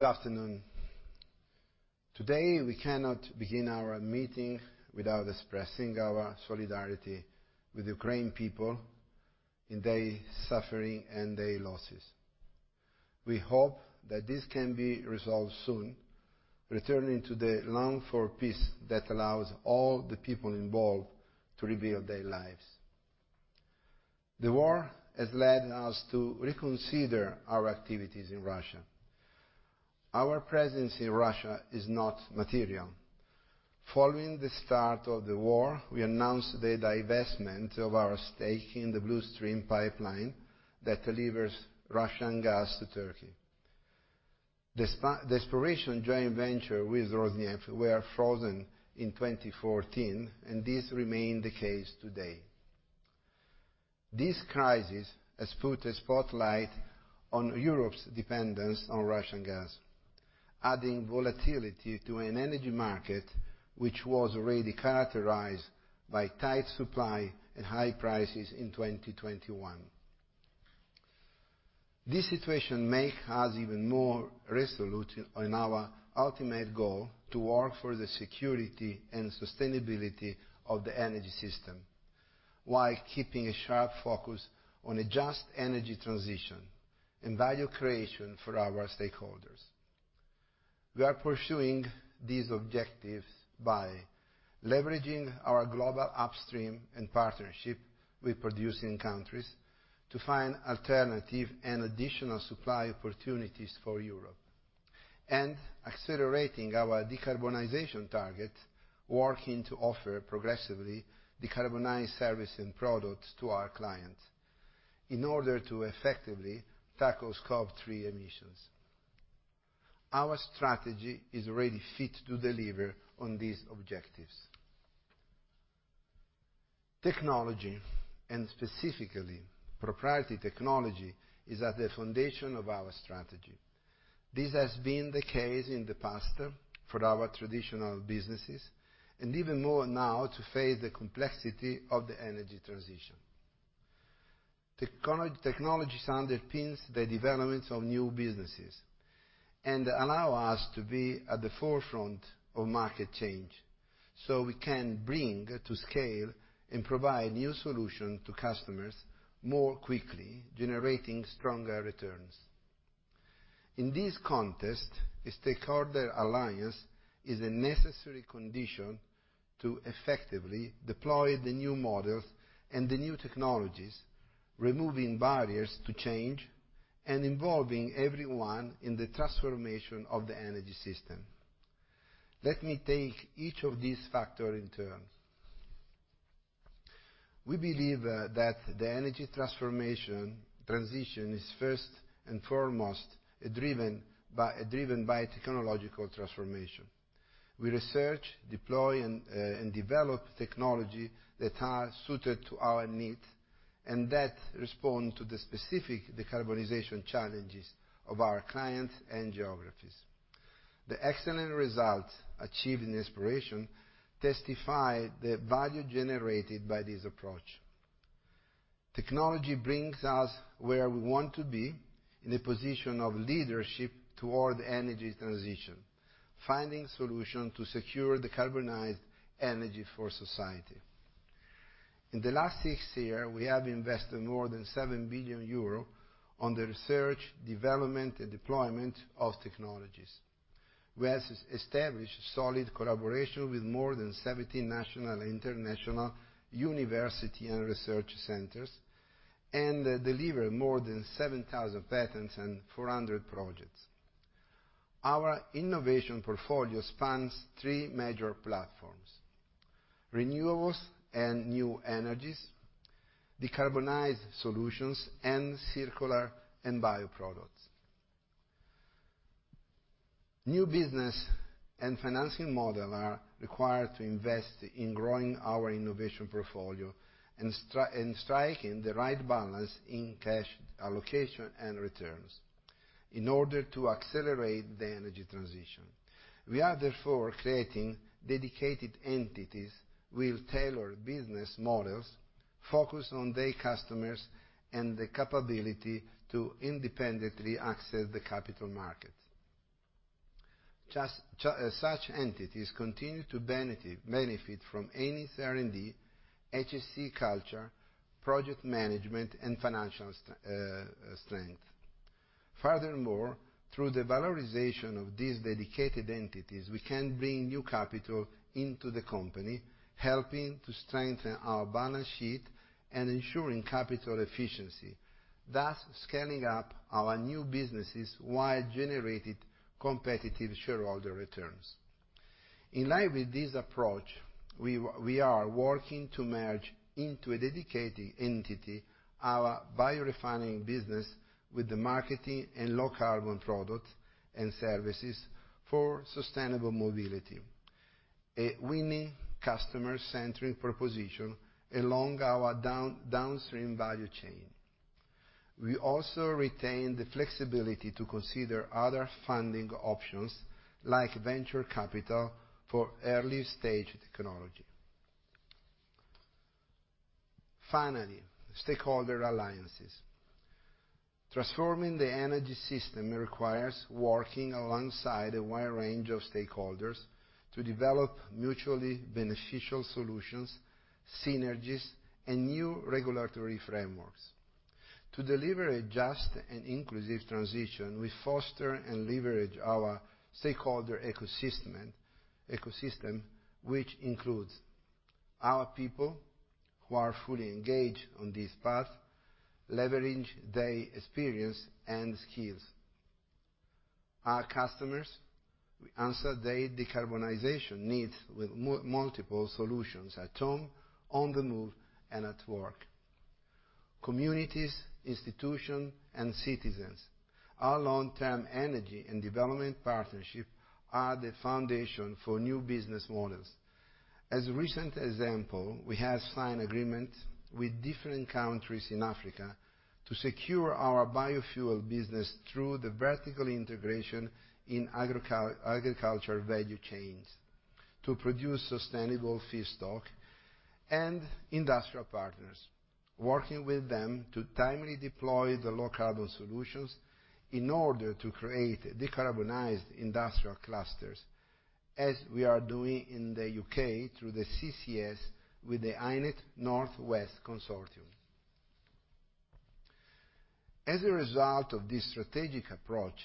Good afternoon. Today, we cannot begin our meeting without expressing our solidarity with Ukrainian people in their suffering and their losses. We hope that this can be resolved soon, returning to the longed for peace that allows all the people involved to rebuild their lives. The war has led us to reconsider our activities in Russia. Our presence in Russia is not material. Following the start of the war, we announced the divestment of our stake in the Blue Stream pipeline that delivers Russian gas to Turkey. The exploration joint venture with Rosneft was frozen in 2014, and this remains the case today. This crisis has put a spotlight on Europe's dependence on Russian gas, adding volatility to an energy market which was already characterized by tight supply and high prices in 2021. This situation make us even more resolute in our ultimate goal to work for the security and sustainability of the energy system, while keeping a sharp focus on a just energy transition and value creation for our stakeholders. We are pursuing these objectives by leveraging our global upstream and partnership with producing countries to find alternative and additional supply opportunities for Europe, and accelerating our decarbonization target, working to offer progressively decarbonized service and products to our clients in order to effectively tackle Scope 3 emissions. Our strategy is really fit to deliver on these objectives. Technology, and specifically proprietary technology, is at the foundation of our strategy. This has been the case in the past for our traditional businesses, and even more now to face the complexity of the energy transition. Technology underpins the development of new businesses and allows us to be at the forefront of market change so we can bring to scale and provide new solutions to customers more quickly, generating stronger returns. In this context, a stakeholder alliance is a necessary condition to effectively deploy the new models and the new technologies, removing barriers to change and involving everyone in the transformation of the energy system. Let me take each of these factors in turn. We believe that the energy transformation transition is first and foremost driven by technological transformation. We research, deploy, and develop technologies that are suited to our needs and that respond to the specific decarbonization challenges of our clients and geographies. The excellent results achieved in exploration testify to the value generated by this approach. Technology brings us where we want to be in a position of leadership toward energy transition, finding solutions to secure decarbonized energy for society. In the last 6 years, we have invested more than 7 billion euro on the research, development, and deployment of technologies. We have established solid collaborations with more than 17 national and international universities and research centers, and delivered more than 7,000 patents and 400 projects. Our innovation portfolio spans three major platforms: renewables and new energies, decarbonized solutions, and circular and bioproducts. New business and financing models are required to invest in growing our innovation portfolio and striking the right balance in cash allocation and returns in order to accelerate the energy transition. We are therefore creating dedicated entities with tailored business models focused on their customers and the capability to independently access the capital market. Such entities continue to benefit from Eni's R&D, HSE culture, project management, and financial strength. Furthermore, through the valorization of these dedicated entities, we can bring new capital into the company, helping to strengthen our balance sheet and ensuring capital efficiency, thus scaling up our new businesses while generating competitive shareholder returns. In line with this approach, we are working to merge into a dedicated entity our biorefining business with the marketing and low carbon product and services for sustainable mobility, a winning customer-centric proposition along our downstream value chain. We also retain the flexibility to consider other funding options like venture capital for early-stage technology. Finally, stakeholder alliances. Transforming the energy system requires working alongside a wide range of stakeholders to develop mutually beneficial solutions, synergies, and new regulatory frameworks. To deliver a just and inclusive transition, we foster and leverage our stakeholder ecosystem, which includes our people, who are fully engaged on this path, leveraging their experience and skills. Our customers, we answer their decarbonization needs with multiple solutions at home, on the move, and at work. Communities, institutions, and citizens. Our long-term energy and development partnerships are the foundation for new business models. As recent example, we have signed agreements with different countries in Africa to secure our biofuel business through the vertical integration in agriculture value chains to produce sustainable feedstock. Industrial partners, working with them to timely deploy the low carbon solutions in order to create decarbonized industrial clusters, as we are doing in the U.K. through the CCS with the HyNet North West consortium. As a result of this strategic approach,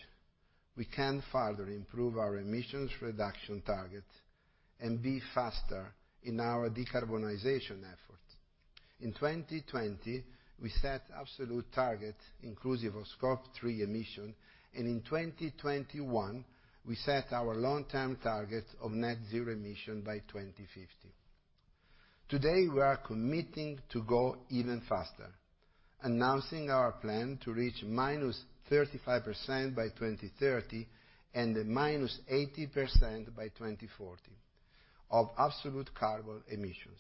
we can further improve our emissions reduction target and be faster in our decarbonization efforts. In 2020, we set absolute target inclusive of Scope 3 emission, and in 2021, we set our long-term target of net zero emission by 2050. Today, we are committing to go even faster, announcing our plan to reach -35% by 2030 and -80% by 2040 of absolute carbon emissions.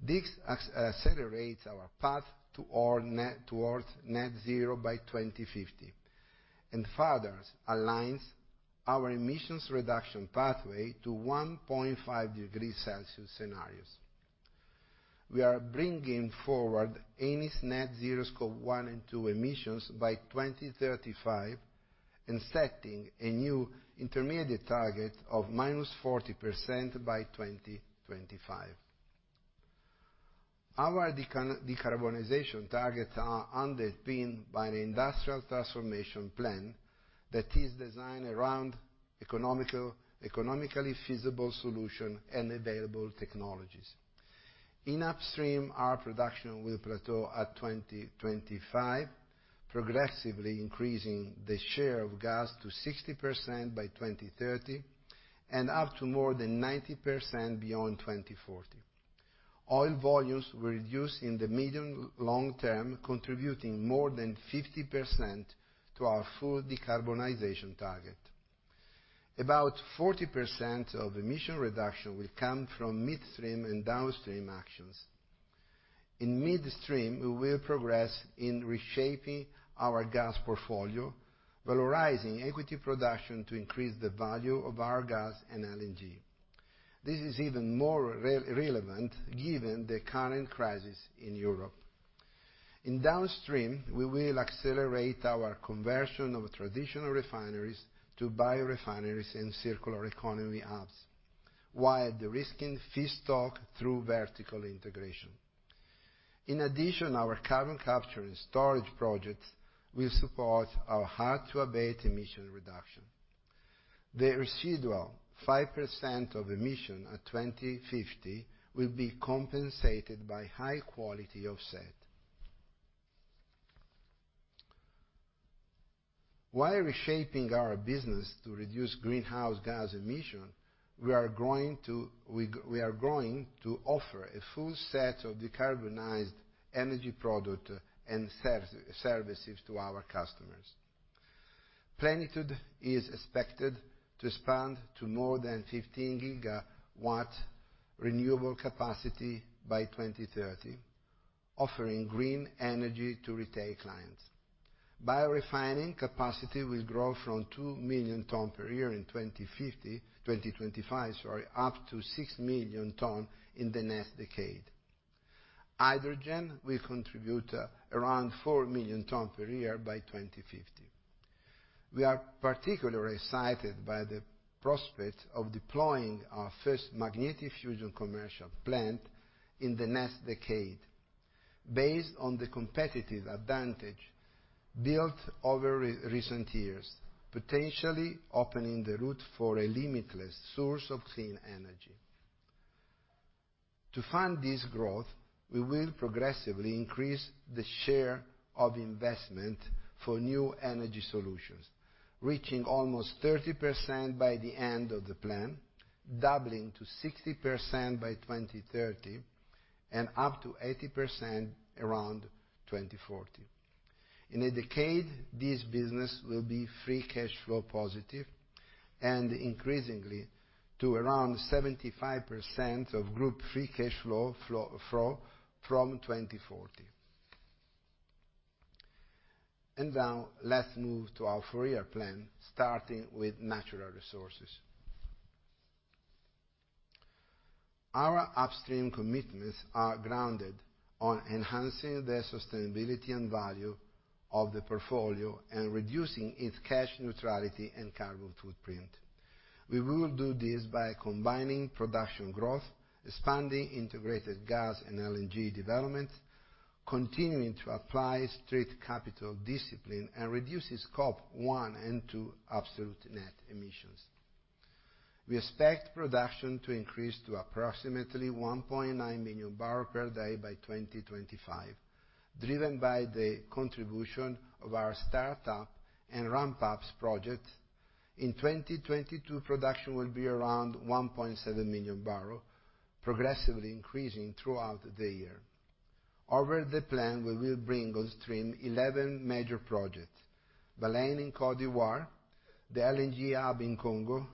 This accelerates our path towards net zero by 2050, and furthers aligns our emissions reduction pathway to 1.5 degree Celsius scenarios. We are bringing forward Eni's net zero Scope 1 and 2 emissions by 2035, and setting a new intermediate target of -40% by 2025. Our decarbonization targets are underpinned by an industrial transformation plan that is designed around economically feasible solution and available technologies. In upstream, our production will plateau at 2025, progressively increasing the share of gas to 60% by 2030 and up to more than 90% beyond 2040. Oil volumes will reduce in the medium-long term, contributing more than 50% to our full decarbonization target. About 40% of emission reduction will come from midstream and downstream actions. In midstream, we will progress in reshaping our gas portfolio, valorizing equity production to increase the value of our gas and LNG. This is even more relevant given the current crisis in Europe. In downstream, we will accelerate our conversion of traditional refineries to biorefineries and circular economy hubs, while de-risking feedstock through vertical integration. In addition, our carbon capture and storage projects will support our hard-to-abate emission reduction. The residual 5% of emissions at 2050 will be compensated by high-quality offsets. While reshaping our business to reduce greenhouse gas emissions, we are going to offer a full set of decarbonized energy products and services to our customers. Plenitude is expected to expand to more than 15 GW renewable capacity by 2030, offering green energy to retail clients. Biorefining capacity will grow from 2 million tons per year in 2025 up to 6 million tons in the next decade. Hydrogen will contribute around 4 million tons per year by 2050. We are particularly excited by the prospect of deploying our first magnetic fusion commercial plant in the next decade based on the competitive advantage built over recent years, potentially opening the route for a limitless source of clean energy. To fund this growth, we will progressively increase the share of investment for new energy solutions, reaching almost 30% by the end of the plan, doubling to 60% by 2030, and up to 80% around 2040. In a decade, this business will be free cash flow positive and increasingly to around 75% of group free cash flow from 2040. Now let's move to our three-year plan, starting with natural resources. Our upstream commitments are grounded on enhancing the sustainability and value of the portfolio and reducing its cash neutrality and carbon footprint. We will do this by combining production growth, expanding integrated gas and LNG development, continuing to apply strict capital discipline, and reducing Scope 1 and 2 absolute net emissions. We expect production to increase to approximately 1.9 million barrels per day by 2025, driven by the contribution of our start-up and ramp-ups projects. In 2022, production will be around 1.7 million barrels, progressively increasing throughout the year. Over the plan, we will bring on stream 11 major projects. Baleine in Côte d'Ivoire, the LNG hub in Congo,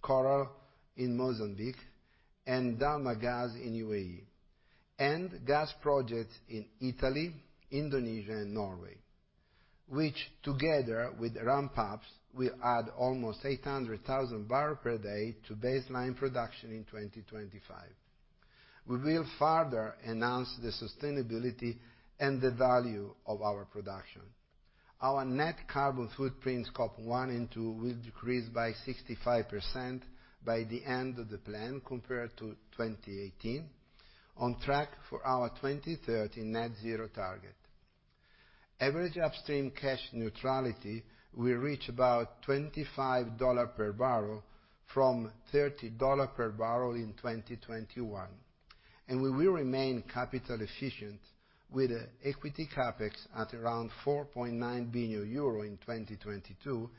Coral in Mozambique, and Dalma Gas in UAE. Gas projects in Italy, Indonesia, and Norway, which together with ramp-ups, will add almost 800,000 barrels per day to baseline production in 2025. We will further enhance the sustainability and the value of our production. Our net carbon footprints, Scope 1 and 2, will decrease by 65% by the end of the plan compared to 2018, on track for our 2030 net zero target. Average upstream cash neutrality will reach about $25 per barrel from $30 per barrel in 2021. We will remain capital efficient with equity CapEx at around 4.9 billion euro in 2022,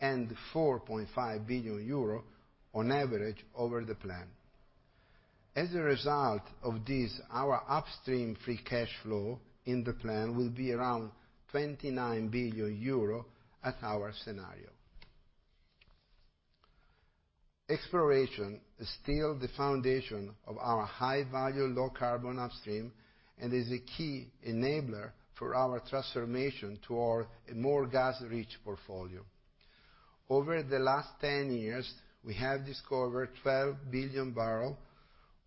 and 4.5 billion euro on average over the plan. As a result of this, our upstream free cash flow in the plan will be around 29 billion euro at our scenario. Exploration is still the foundation of our high-value, low-carbon upstream, and is a key enabler for our transformation toward a more gas-rich portfolio. Over the last 10 years, we have discovered 12 billion barrels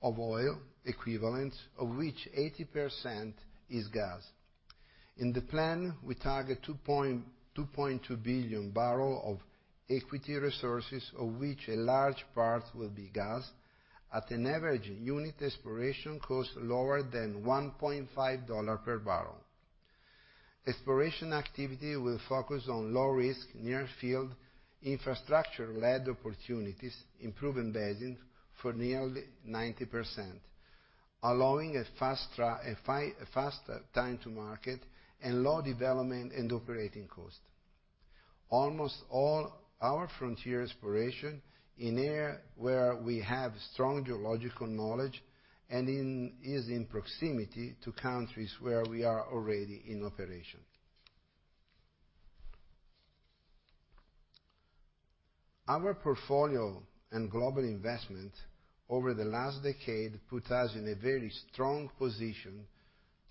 of oil equivalent, of which 80% is gas. In the plan, we target 2.2 billion barrels of equity resources, of which a large part will be gas, at an average unit exploration cost lower than $1.5 per barrel. Exploration activity will focus on low risk, near field, infrastructure-led opportunities in proven basins for nearly 90%, allowing a faster time to market and low development and operating costs. Almost all our frontier exploration in areas where we have strong geological knowledge is in proximity to countries where we are already in operation. Our portfolio and global investment over the last decade put us in a very strong position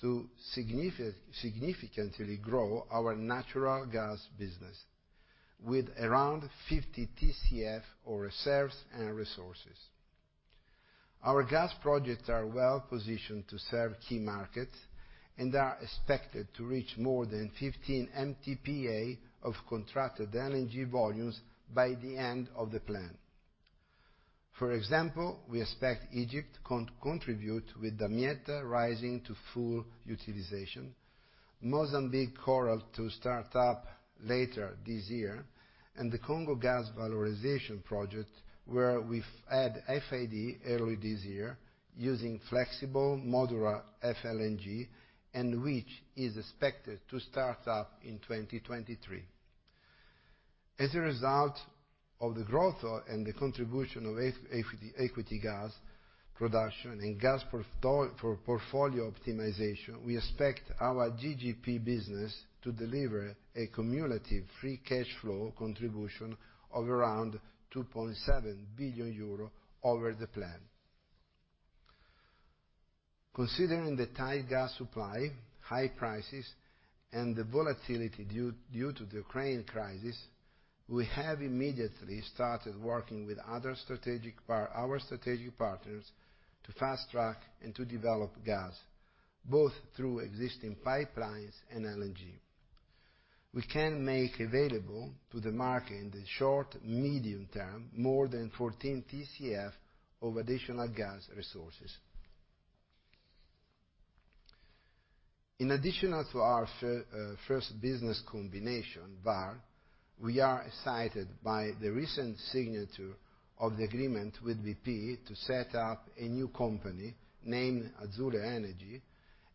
to significantly grow our natural gas business with around 50 TCF of reserves and resources. Our gas projects are well positioned to serve key markets and are expected to reach more than 15 MTPA of contracted LNG volumes by the end of the plan. For example, we expect Egypt to contribute with Damietta rising to full utilization, Mozambique Coral to start up later this year, and the Congo gas valorization project, where we've had FID early this year using flexible modular FLNG and which is expected to start up in 2023. As a result of the growth and the contribution of equity gas production and gas portfolio optimization, we expect our GGP business to deliver a cumulative free cash flow contribution of around 2.7 billion euro over the plan. Considering the tight gas supply, high prices, and the volatility due to the Ukraine crisis, we have immediately started working with other strategic partners to fast-track and to develop gas, both through existing pipelines and LNG. We can make available to the market in the short, medium term, more than 14 TCF of additional gas resources. In addition to our first business combination, Vår, we are excited by the recent signature of the agreement with BP to set up a new company named Azule Energy,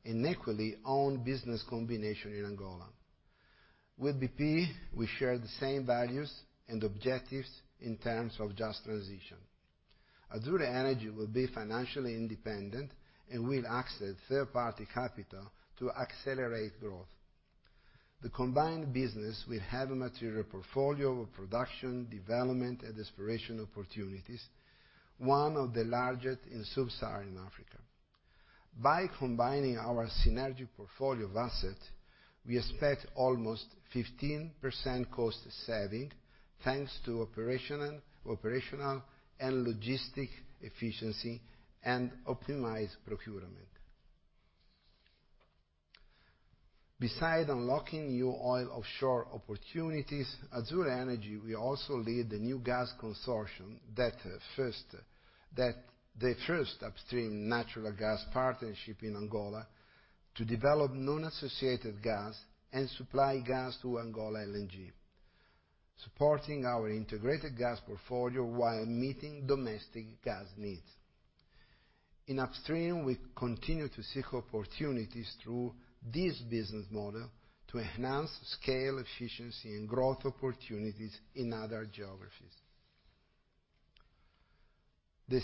an equally owned business combination in Angola. With BP, we share the same values and objectives in terms of just transition. Azule Energy will be financially independent and will access third-party capital to accelerate growth. The combined business will have a material portfolio of production, development, and exploration opportunities, one of the largest in Sub-Saharan Africa. By combining our synergy portfolio of assets, we expect almost 15% cost savings, thanks to operational and logistic efficiency and optimized procurement. Besides unlocking new oil offshore opportunities, Azule Energy will also lead the new gas consortium that first upstream natural gas partnership in Angola to develop non-associated gas and supply gas to Angola LNG, supporting our integrated gas portfolio while meeting domestic gas needs. In upstream, we continue to seek opportunities through this business model to enhance scale efficiency and growth opportunities in other geographies. The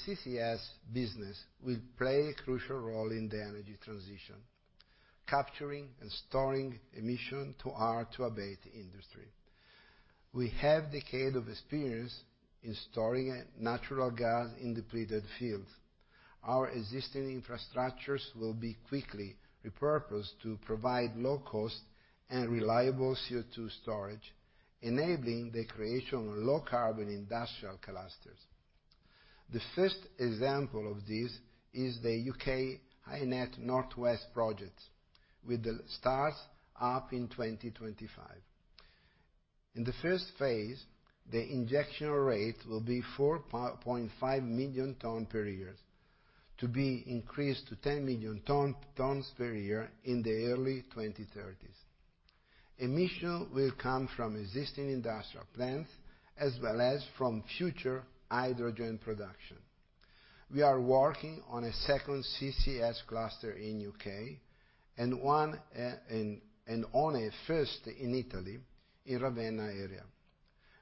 CCS business will play a crucial role in the energy transition, capturing and storing emissions to abate industry. We have decades of experience in storing natural gas in depleted fields. Our existing infrastructures will be quickly repurposed to provide low cost and reliable CO₂ storage, enabling the creation of low carbon industrial clusters. The first example of this is the U.K. HyNet North West project, with the start-up in 2025. In the first phase, the injection rate will be 4.5 million tons per year, to be increased to 10 million tons per year in the early 2030s. Emissions will come from existing industrial plants as well as from future hydrogen production. We are working on a second CCS cluster in U.K. and one, and on a first in Italy, in Ravenna area.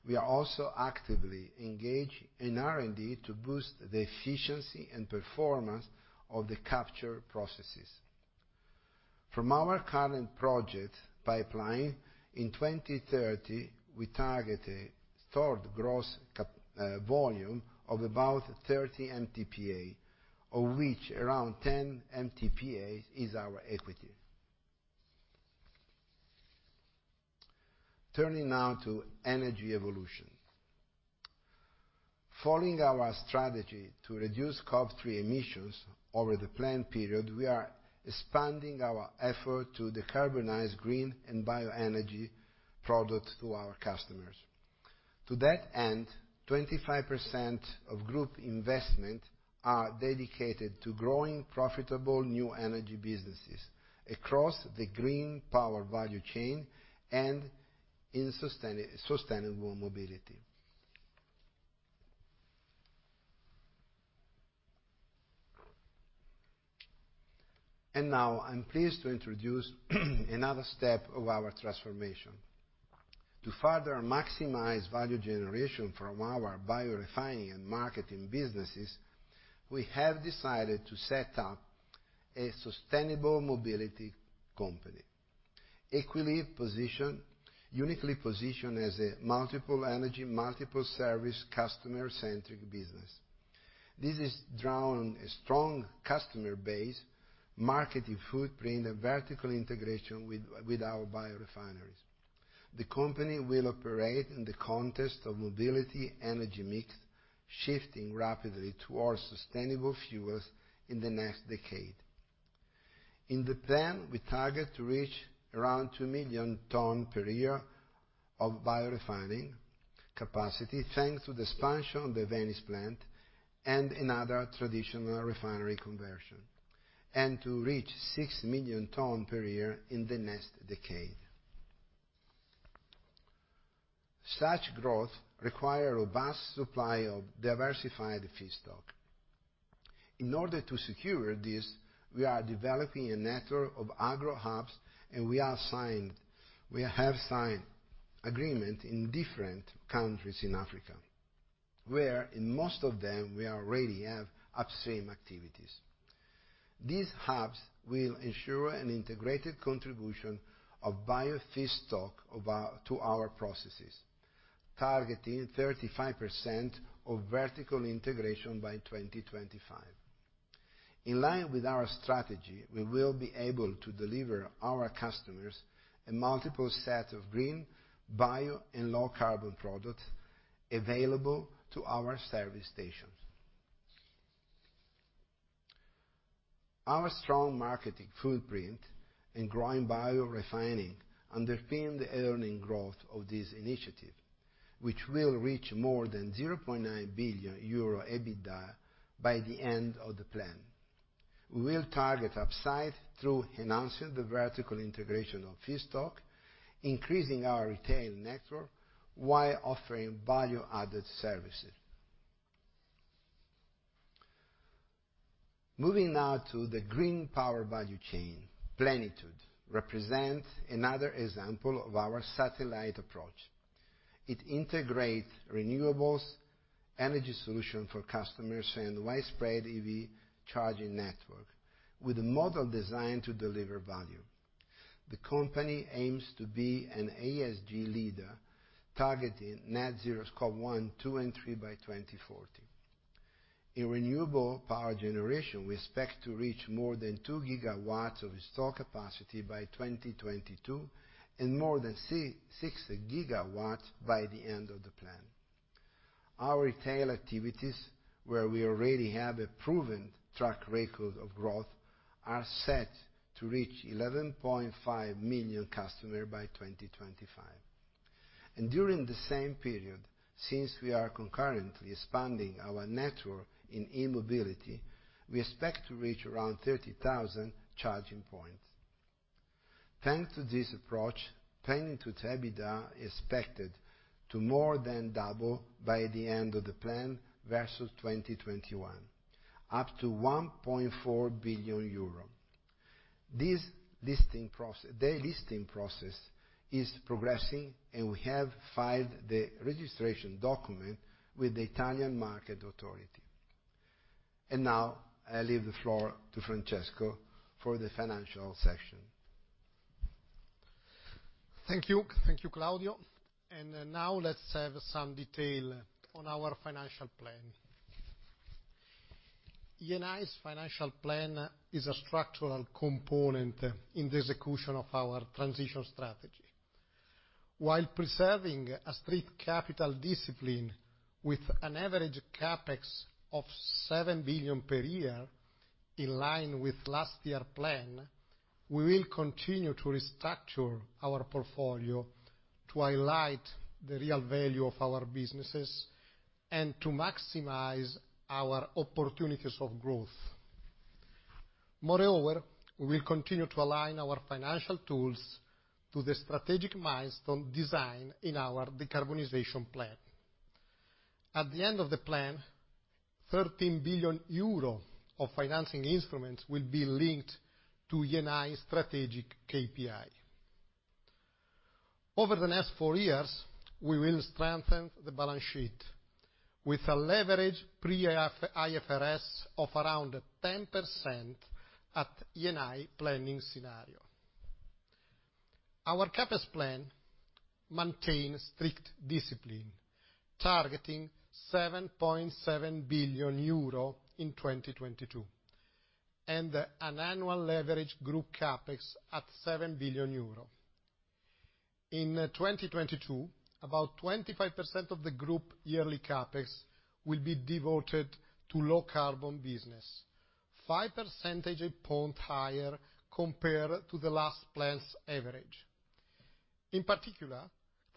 We are also actively engaged in R&D to boost the efficiency and performance of the capture processes. From our current project pipeline, in 2030, we target a stored gross capacity volume of about 30 MTPA, of which around 10 MTPA is our equity. Turning now to energy evolution. Following our strategy to reduce CO₂ emissions over the plan period, we are expanding our effort to decarbonize green and bioenergy products to our customers. To that end, 25% of group investment are dedicated to growing profitable new energy businesses across the green power value chain and in sustainable mobility. Now I'm pleased to introduce another step of our transformation. To further maximize value generation from our biorefining and marketing businesses, we have decided to set up a sustainable mobility company. Uniquely positioned as a multiple energy, multiple service, customer-centric business. This is drawing a strong customer base, marketing footprint, and vertical integration with our biorefineries. The company will operate in the context of mobility energy mix, shifting rapidly towards sustainable fuels in the next decade. In the plan, we target to reach around 2 million ton per year of biorefining capacity, thanks to the expansion of the Venice plant and another traditional refinery conversion, and to reach 6 million ton per year in the next decade. Such growth require a vast supply of diversified feedstock. In order to secure this, we are developing a network of agro hubs, and we have signed agreement in different countries in Africa, where in most of them, we already have upstream activities. These hubs will ensure an integrated contribution of bio feedstock to our processes, targeting 35% of vertical integration by 2025. In line with our strategy, we will be able to deliver our customers a multiple set of green, bio, and low carbon products available to our service stations. Our strong marketing footprint in growing biorefining underpin the earning growth of this initiative, which will reach more than 0.9 billion euro EBITDA by the end of the plan. We will target upside through enhancing the vertical integration of feedstock, increasing our retail network while offering value-added services. Moving now to the green power value chain. Plenitude represents another example of our satellite approach. It integrates renewables, energy solution for customers, and widespread EV charging network with a model designed to deliver value. The company aims to be an ESG leader targeting net zero Scope 1, 2, and 3 by 2040. In renewable power generation, we expect to reach more than 2 GW of solar capacity by 2022, and more than 60 GW by the end of the plan. Our retail activities, where we already have a proven track record of growth, are set to reach 11.5 million customers by 2025. During the same period, since we are concurrently expanding our network in e-mobility, we expect to reach around 30,000 charging points. Thanks to this approach, planned EBITDA is expected to more than double by the end of the plan versus 2021, up to 1.4 billion euro. This listing process is progressing, and we have filed the registration document with the Italian market authority. Now, I leave the floor to Francesco for the financial section. Thank you. Thank you, Claudio. Now let's have some detail on our financial plan. Eni's financial plan is a structural component in the execution of our transition strategy. While preserving a strict capital discipline with an average CapEx of 7 billion per year, in line with last year plan, we will continue to restructure our portfolio to highlight the real value of our businesses and to maximize our opportunities of growth. Moreover, we'll continue to align our financial tools to the strategic milestone design in our decarbonization plan. At the end of the plan, 13 billion euro of financing instruments will be linked to Eni's strategic KPI. Over the next four years, we will strengthen the balance sheet with a leverage pre-IFRS of around 10% at Eni planning scenario. Our CapEx plan maintains strict discipline, targeting 7.7 billion euro in 2022, and an average group CapEx at 7 billion euro. In 2022, about 25% of the group yearly CapEx will be devoted to low carbon business, 5 percentage points higher compared to the last plan's average. In particular,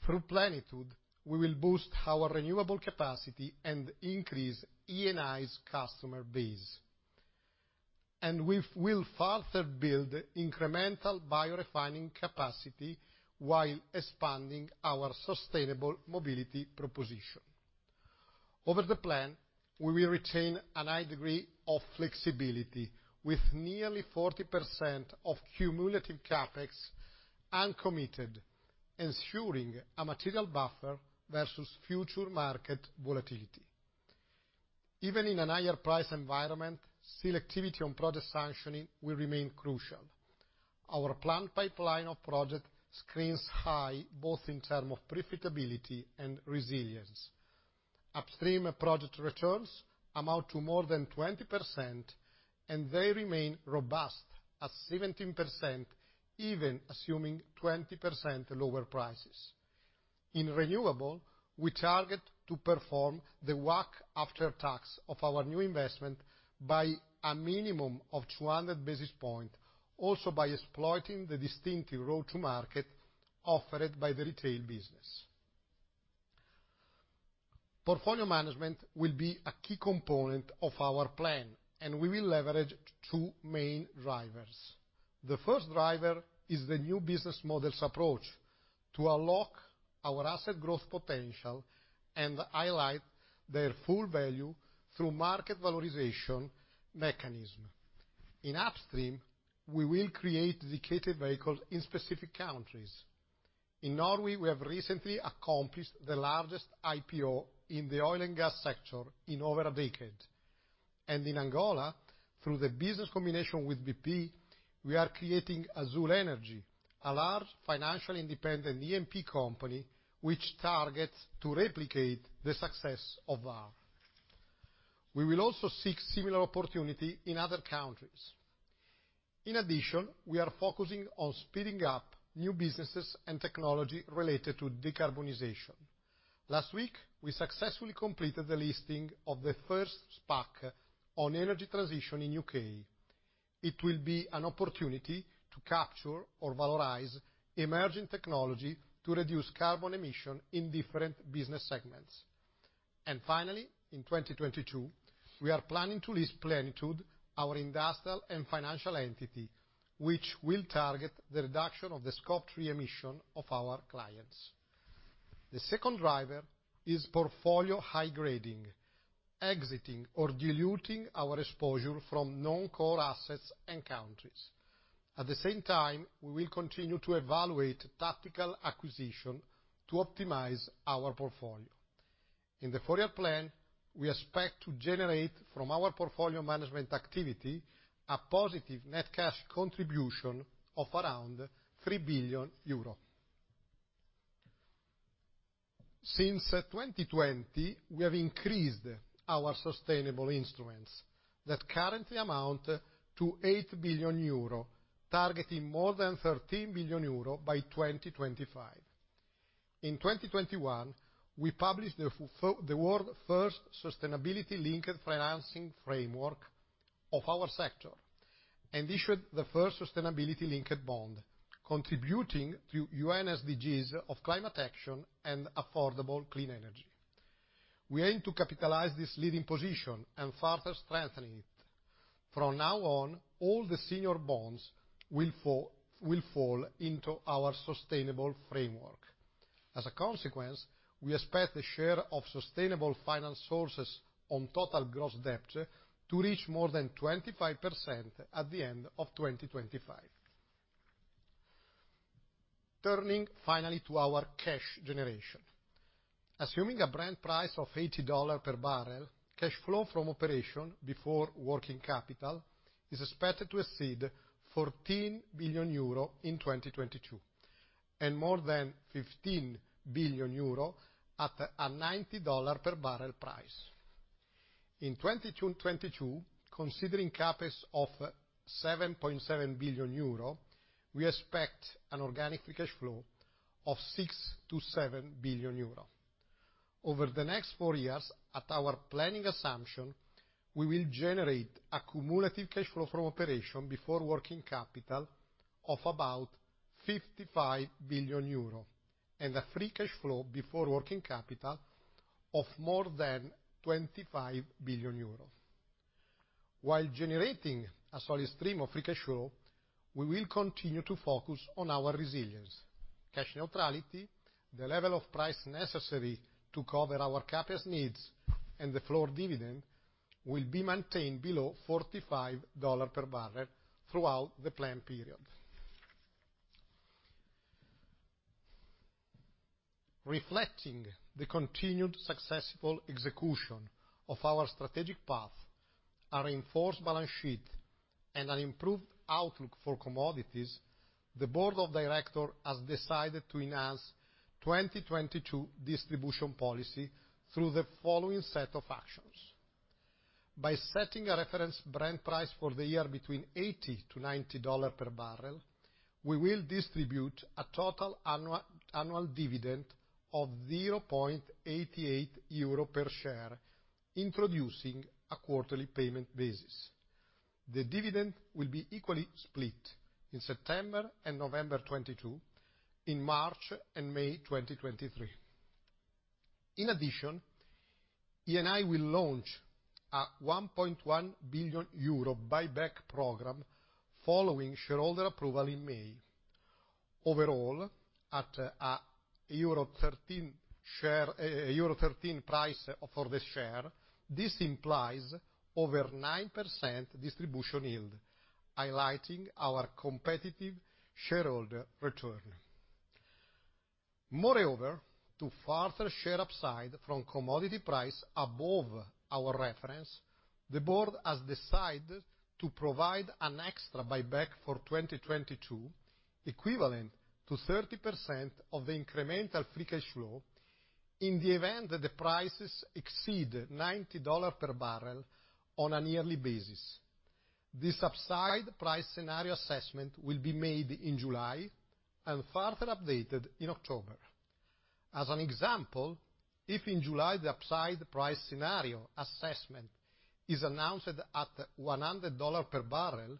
through Plenitude, we will boost our renewable capacity and increase Eni's customer base. We will further build incremental biorefining capacity while expanding our sustainable mobility proposition. Over the plan, we will retain a high degree of flexibility with nearly 40% of cumulative CapEx uncommitted, ensuring a material buffer versus future market volatility. Even in a higher price environment, selectivity on project sanctioning will remain crucial. Our plan pipeline of project screens high, both in terms of profitability and resilience. Upstream project returns amount to more than 20%, and they remain robust at 17%, even assuming 20% lower prices. In renewables, we target to outperform the WACC after tax of our new investment by a minimum of 200 basis points, also by exploiting the distinctive route to market offered by the retail business. Portfolio management will be a key component of our plan, and we will leverage two main drivers. The first driver is the new business models approach to unlock our asset growth potential and highlight their full value through market valorization mechanism. In Upstream, we will create dedicated vehicles in specific countries. In Norway, we have recently accomplished the largest IPO in the oil and gas sector in over a decade. In Angola, through the business combination with BP, we are creating Azule Energy, a large financially independent E&P company, which targets to replicate the success of our. We will also seek similar opportunity in other countries. In addition, we are focusing on speeding up new businesses and technology related to decarbonization. Last week, we successfully completed the listing of the first SPAC on energy transition in U.K. It will be an opportunity to capture or valorize emerging technology to reduce carbon emission in different business segments. Finally, in 2022, we are planning to list Plenitude, our industrial and financial entity, which will target the reduction of the Scope 3 emission of our clients. The second driver is portfolio high grading, exiting or diluting our exposure from non-core assets and countries. At the same time, we will continue to evaluate tactical acquisition to optimize our portfolio. In the four-year plan, we expect to generate from our portfolio management activity a positive net cash contribution of around EUR 3 billion. Since 2020, we have increased our sustainable instruments that currently amount to 8 billion euro, targeting more than 13 billion euro by 2025. In 2021, we published the world's first sustainability-linked financing framework of our sector, and issued the first sustainability linked bond, contributing to UN SDGs of climate action and affordable clean energy. We aim to capitalize this leading position and further strengthening it. From now on, all the senior bonds will fall into our sustainable framework. As a consequence, we expect the share of sustainable finance sources on total gross debt to reach more than 25% at the end of 2025. Turning finally to our cash generation. Assuming a Brent price of $80 per barrel, cash flow from operation before working capital is expected to exceed 14 billion euro in 2022, and more than 15 billion euro at a $90 per barrel price. In 2022, considering CapEx of 7.7 billion euro, we expect an organic free cash flow of 6 billion-7 billion euro. Over the next four years, at our planning assumption, we will generate a cumulative cash flow from operation before working capital of about 55 billion euro, and a free cash flow before working capital of more than 25 billion euro. While generating a solid stream of free cash flow, we will continue to focus on our resilience. Cash neutrality, the level of price necessary to cover our CapEx needs, and the floor dividend will be maintained below $45 per barrel throughout the plan period. Reflecting the continued successful execution of our strategic path, a reinforced balance sheet, and an improved outlook for commodities, the Board of Directors has decided to enhance 2022 distribution policy through the following set of actions. By setting a reference Brent price for the year between $80-$90 per barrel, we will distribute a total annual dividend of 0.88 euro per share, introducing a quarterly payment basis. The dividend will be equally split in September and November 2022, in March and May 2023. In addition, Eni will launch a 1.1 billion euro buyback program following shareholder approval in May. Overall, at a euro 13 share, a euro 13 price for the share, this implies over 9% distribution yield, highlighting our competitive shareholder return. Moreover, to further share upside from commodity price above our reference, the board has decided to provide an extra buyback for 2022, equivalent to 30% of the incremental free cash flow in the event that the prices exceed $90 per barrel on a yearly basis. This upside price scenario assessment will be made in July and further updated in October. As an example, if in July the upside price scenario assessment is announced at $100 per barrel,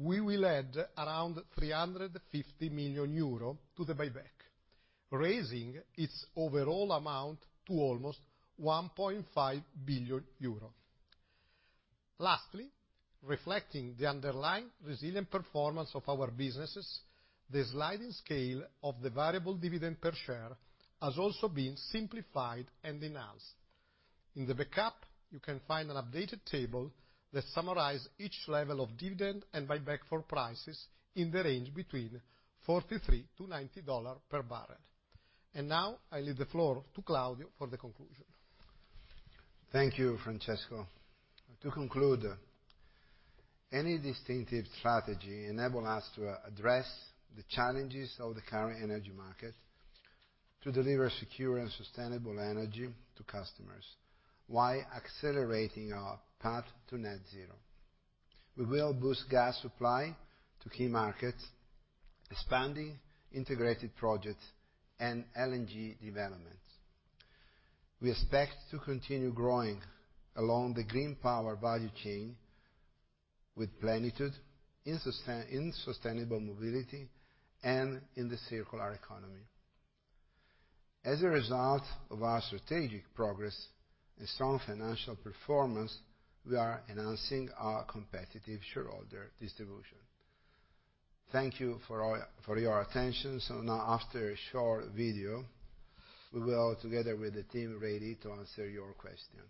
we will add around 350 million euro to the buyback, raising its overall amount to almost 1.5 billion euro. Lastly, reflecting the underlying resilient performance of our businesses, the sliding scale of the variable dividend per share has also been simplified and enhanced. In the backup, you can find an updated table that summarizes each level of dividend and buyback for prices in the range between $43-$90 per barrel. Now I leave the floor to Claudio for the conclusion. Thank you, Francesco. To conclude, any distinctive strategy enables us to address the challenges of the current energy market to deliver secure and sustainable energy to customers, while accelerating our path to net zero. We will boost gas supply to key markets, expanding integrated projects and LNG developments. We expect to continue growing along the green power value chain with Plenitude, in sustainable mobility, and in the circular economy. As a result of our strategic progress and strong financial performance, we are announcing our competitive shareholder distribution. Thank you for your attention. Now after a short video, we will, together with the team, be ready to answer your question.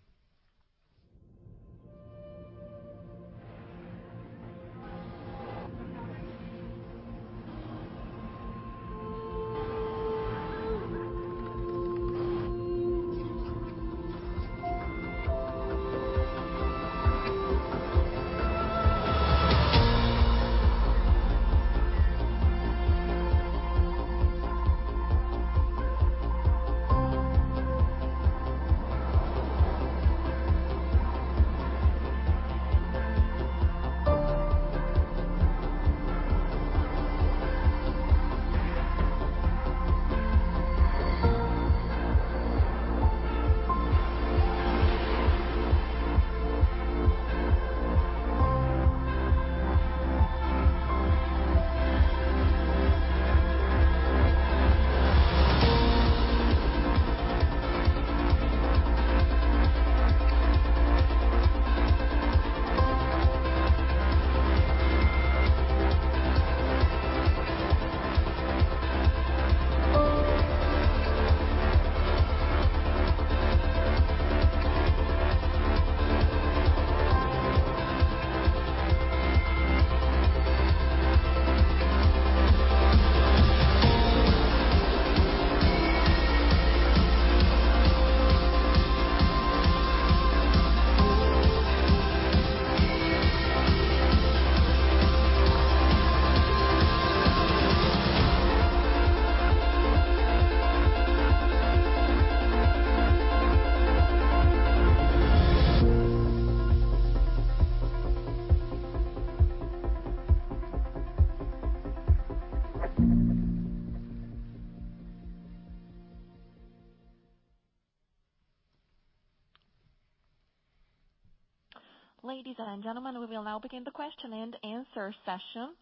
Ladies and gentlemen, we will now begin the question and answer session.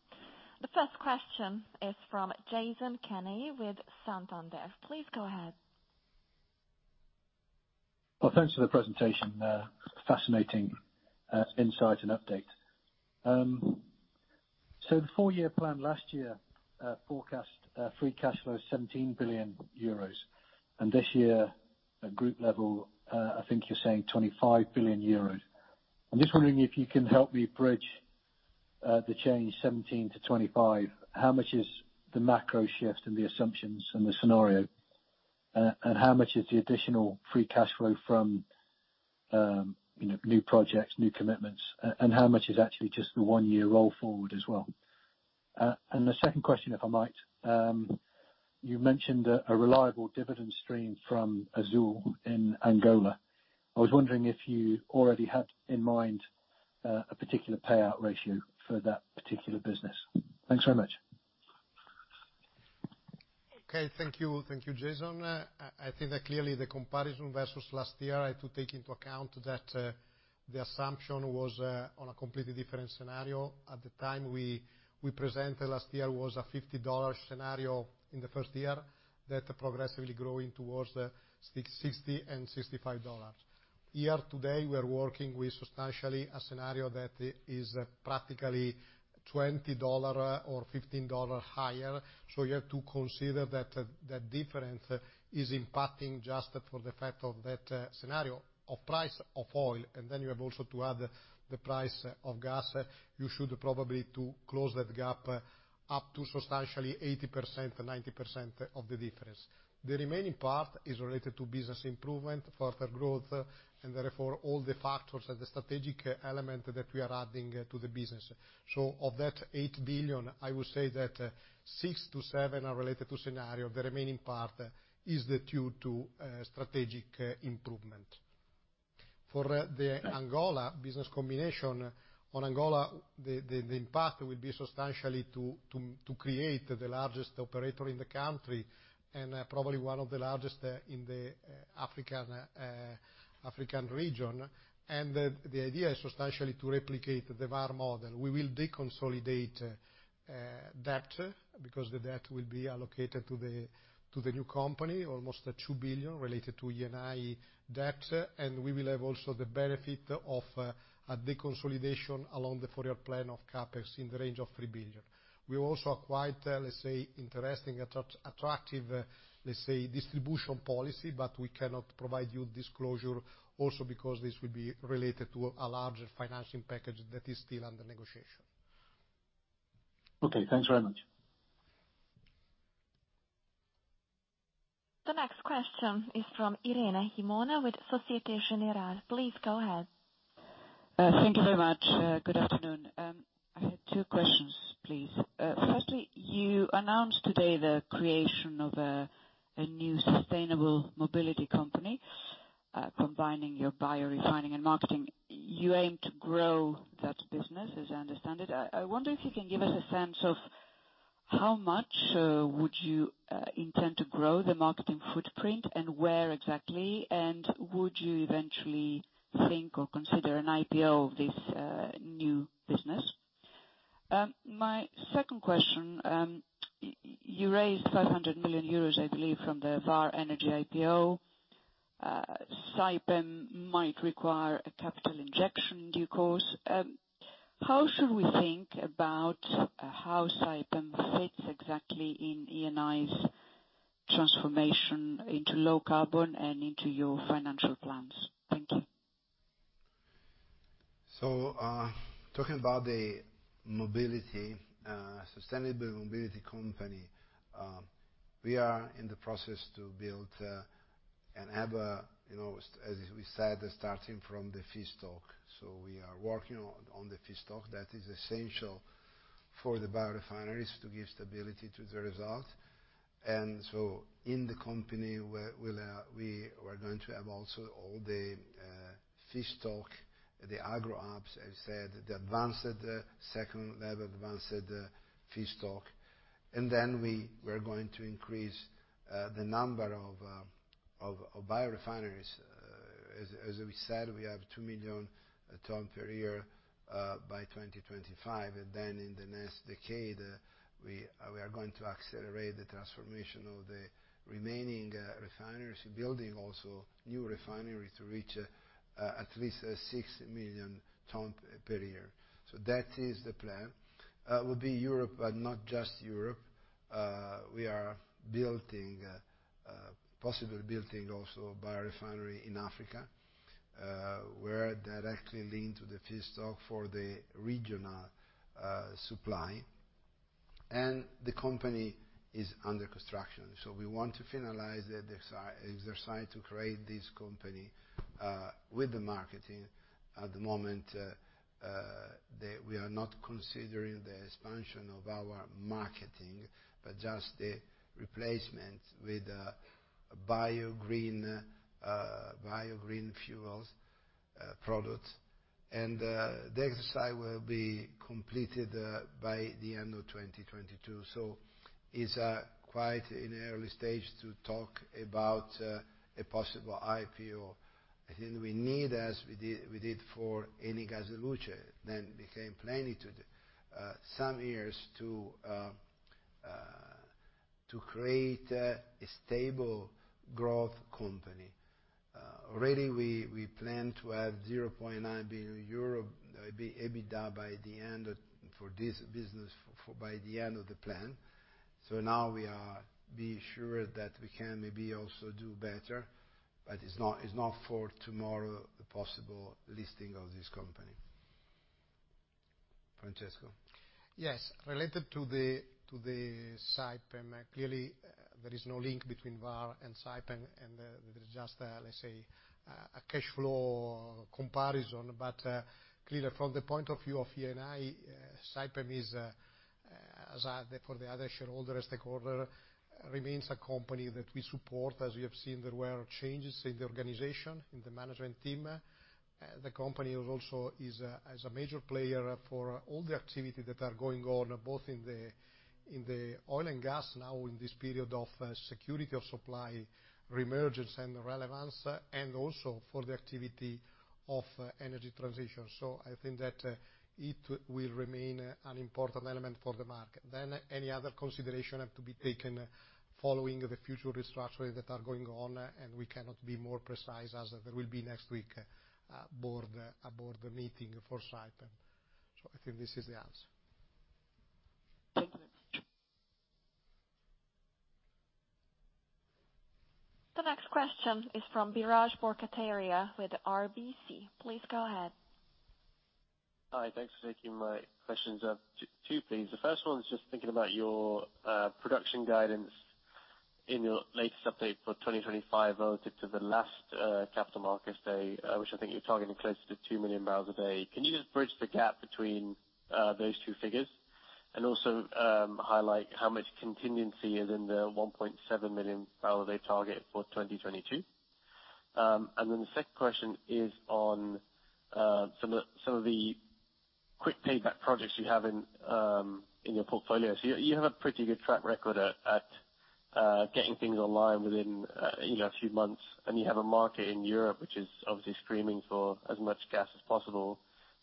The first question is from Jason Kenney with Santander. Please go ahead. Well, thanks for the presentation. Fascinating insight and update. The four-year plan last year forecast free cash flow 17 billion euros. This year, at group level, I think you're saying 25 billion euros. I'm just wondering if you can help me bridge the change 17 to 25. How much is the macro shift in the assumptions and the scenario? How much is the additional free cash flow from, you know, new projects, new commitments? How much is actually just the one-year roll forward as well? The second question, if I might. You mentioned a reliable dividend stream from Azule in Angola. I was wondering if you already had in mind a particular payout ratio for that particular business. Thanks very much. Okay. Thank you. Thank you, Jason. I think that clearly the comparison versus last year, I have to take into account that the assumption was on a completely different scenario. At the time we presented last year was a $50 scenario in the first year, that progressively growing towards $60 and $65. Here today, we're working with substantially a scenario that is practically $20 or $15 higher. You have to consider that that difference is impacting just for the fact of that scenario of price of oil. You have also to add the price of gas. You should probably to close that gap up to substantially 80%-90% of the difference. The remaining part is related to business improvement, further growth, and therefore all the factors and the strategic element that we are adding to the business. Of that 8 billion, I would say that six to seven are related to scenario. The remaining part is due to strategic improvement for the Angola business combination. On Angola, the impact will be substantially to create the largest operator in the country and probably one of the largest in the African region. The idea is substantially to replicate the Vår model. We will deconsolidate debt, because the debt will be allocated to the new company, almost 2 billion related to Eni debt. We will have also the benefit of a deconsolidation along the four-year plan of CapEx in the range of 3 billion. We also acquired, let's say, interesting, attractive, let's say, distribution policy, but we cannot provide you disclosure also because this will be related to a larger financing package that is still under negotiation. Okay, thanks very much. The next question is from Irene Himona with Société Générale. Please go ahead. Thank you very much. Good afternoon. I have two questions, please. Firstly, you announced today the creation of a new sustainable mobility company, combining your biorefining and marketing. You aim to grow that business, as I understand it. I wonder if you can give us a sense of how much would you intend to grow the marketing footprint and where exactly, and would you eventually think or consider an IPO of this new business? My second question. You raised 500 million euros, I believe, from the Vår Energi IPO. Saipem might require a capital injection in due course. How should we think about how Saipem fits exactly in Eni's transformation into low carbon and into your financial plans? Thank you. Talking about the mobility sustainable mobility company, we are in the process to build and have a, you know, as we said, starting from the feedstock. We are working on the feedstock that is essential for the biorefineries to give stability to the result. In the company, we are going to have also all the feedstock, the agro ops, as said, the advanced second level advanced feedstock. We're going to increase the number of biorefineries. As we said, we have 2 million tons per year by 2025. In the next decade, we are going to accelerate the transformation of the remaining refineries, building also new refinery to reach at least 6 million tons per year. That is the plan. It will be Europe, but not just Europe. We are possibly building also biorefinery in Africa, where directly linked to the feedstock for the regional supply. The company is under construction. We want to finalize the exercise to create this company, with the marketing. At the moment, we are not considering the expansion of our marketing, but just the replacement with biogreen fuels products. The exercise will be completed by the end of 2022. It's quite an early stage to talk about a possible IPO. I think we need, as we did for Eni gas e luce, then became Plenitude, some years to create a stable growth company. Already we plan to have 0.9 billion euro EBITDA by the end of the plan for this business. Now we are being sure that we can maybe also do better, but it's not for tomorrow, the possible listing of this company. Francesco. Yes. Related to the Saipem, clearly there is no link between Vår and Saipem, and there is just a, let's say, a cash flow comparison. Clearly from the point of view of Eni, Saipem is as for the other stakeholder, remains a company that we support. As you have seen, there were changes in the organization, in the management team. The company also is a major player for all the activity that are going on, both in the oil and gas now in this period of security of supply, reemergence and relevance, and also for the activity of energy transition. I think that it will remain an important element for the market. Any other consideration have to be taken following the future restructuring that are going on, and we cannot be more precise as there will be next week a board meeting for Saipem. I think this is the answer. Thank you. The next question is from Biraj Borkhataria with RBC. Please go ahead. Hi. Thanks for taking my questions. Two please. The first one is just thinking about your production guidance in your latest update for 2025 relative to the last capital markets day, which I think you're targeting closer to 2 million barrels a day. Can you just bridge the gap between those two figures? Also, highlight how much contingency is in the 1.7 million barrel a day target for 2022. The second question is on some of the quick payback projects you have in your portfolio. You have a pretty good track record at getting things online within you know a few months, and you have a market in Europe, which is obviously screaming for as much gas as possible.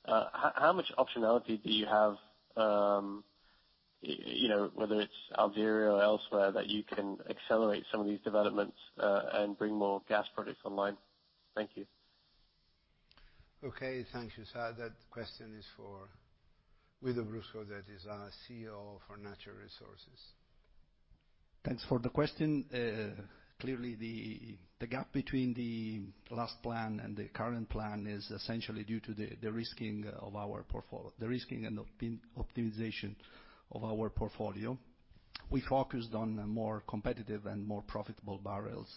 How much optionality do you have, you know, whether it's Algeria or elsewhere, that you can accelerate some of these developments, and bring more gas products online? Thank you. Okay. Thank you, sir. That question is for Guido Brusco, that is our CEO for Natural Resources. Thanks for the question. Clearly the gap between the last plan and the current plan is essentially due to the risking and optimization of our portfolio. We focused on more competitive and more profitable barrels,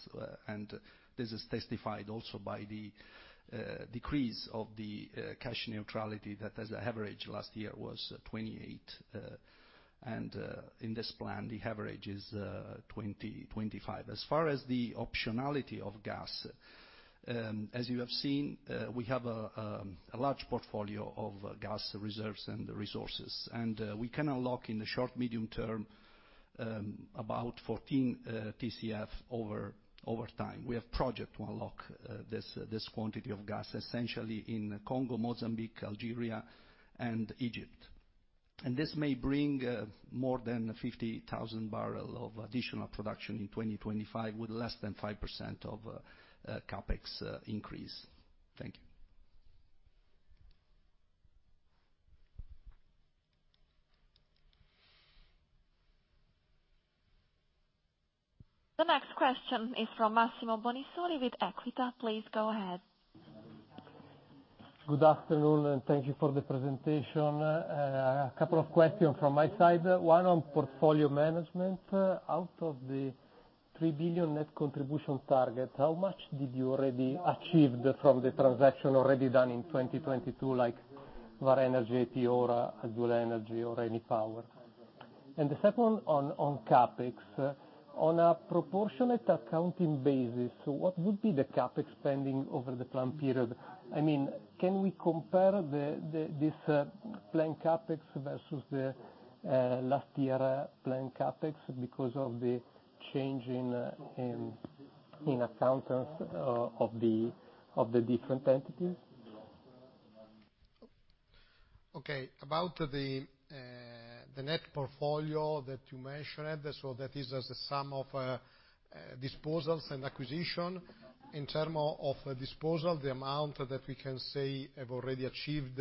and this is testified also by the decrease of the cash neutrality that as an average last year was $28. In this plan, the average is $25. As far as the optionality of gas, as you have seen, we have a large portfolio of gas reserves and resources. We can unlock in the short, medium term, about 14 TCF over time. We have projects to unlock this quantity of gas, essentially in Congo, Mozambique, Algeria, and Egypt. This may bring more than 50,000 barrel of additional production in 2025 with less than 5% of CapEx increase. Thank you. The next question is from Massimo Bonisoli with Equita. Please go ahead. Good afternoon, and thank you for the presentation. A couple of questions from my side. One on portfolio management. Out of the 3 billion net contribution target, how much did you already achieved from the transaction already done in 2022, like Vår Energi, Azule Energy or Enipower? The second one on CapEx. On a proportionate accounting basis, what would be the CapEx spending over the planned period? I mean, can we compare this planned CapEx versus the last year planned CapEx because of the change in accounting of the different entities? Okay. About the net portfolio that you measured, that is as a sum of disposals and acquisition. In terms of disposal, the amount that we can say have already achieved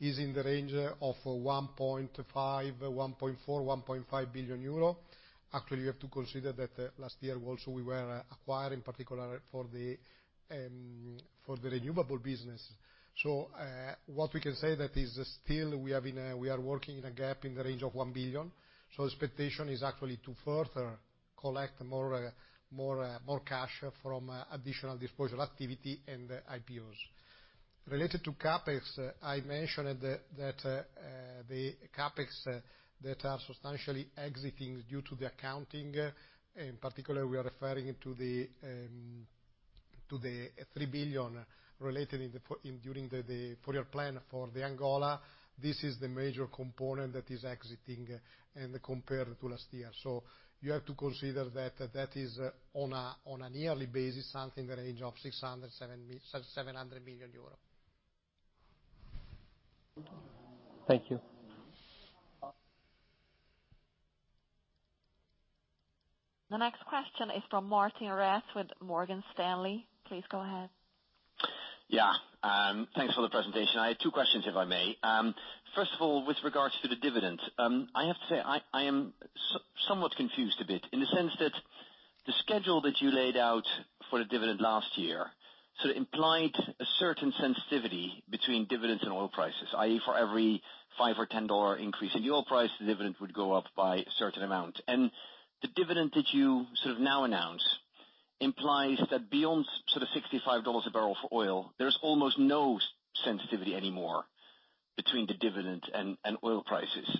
is in the range of 1.4 billion-1.5 billion euro. Actually, you have to consider that last year also we were acquiring particularly for the renewable business. What we can say that is still we have we are working in a gap in the range of 1 billion. Expectation is actually to further collect more cash from additional disposal activity and IPOs. Related to CapEx, I mentioned that the CapEx that are substantially exiting due to the accounting, in particular, we are referring to the 3 billion related during the four-year plan for Angola. This is the major component that is exiting and compared to last year. You have to consider that is on a yearly basis, something in the range of 600 million-700 million euros. Thank you. The next question is from Martin Rath with Morgan Stanley. Please go ahead. Yeah. Thanks for the presentation. I had two questions, if I may. First of all, with regards to the dividend, I have to say I am somewhat confused a bit in the sense that the schedule that you laid out for the dividend last year sort of implied a certain sensitivity between dividends and oil prices. i.e. for every $5 or $10 increase in the oil price, the dividend would go up by a certain amount. The dividend that you sort of now announce implies that beyond sort of $65 a barrel for oil, there's almost no sensitivity anymore between the dividend and oil prices.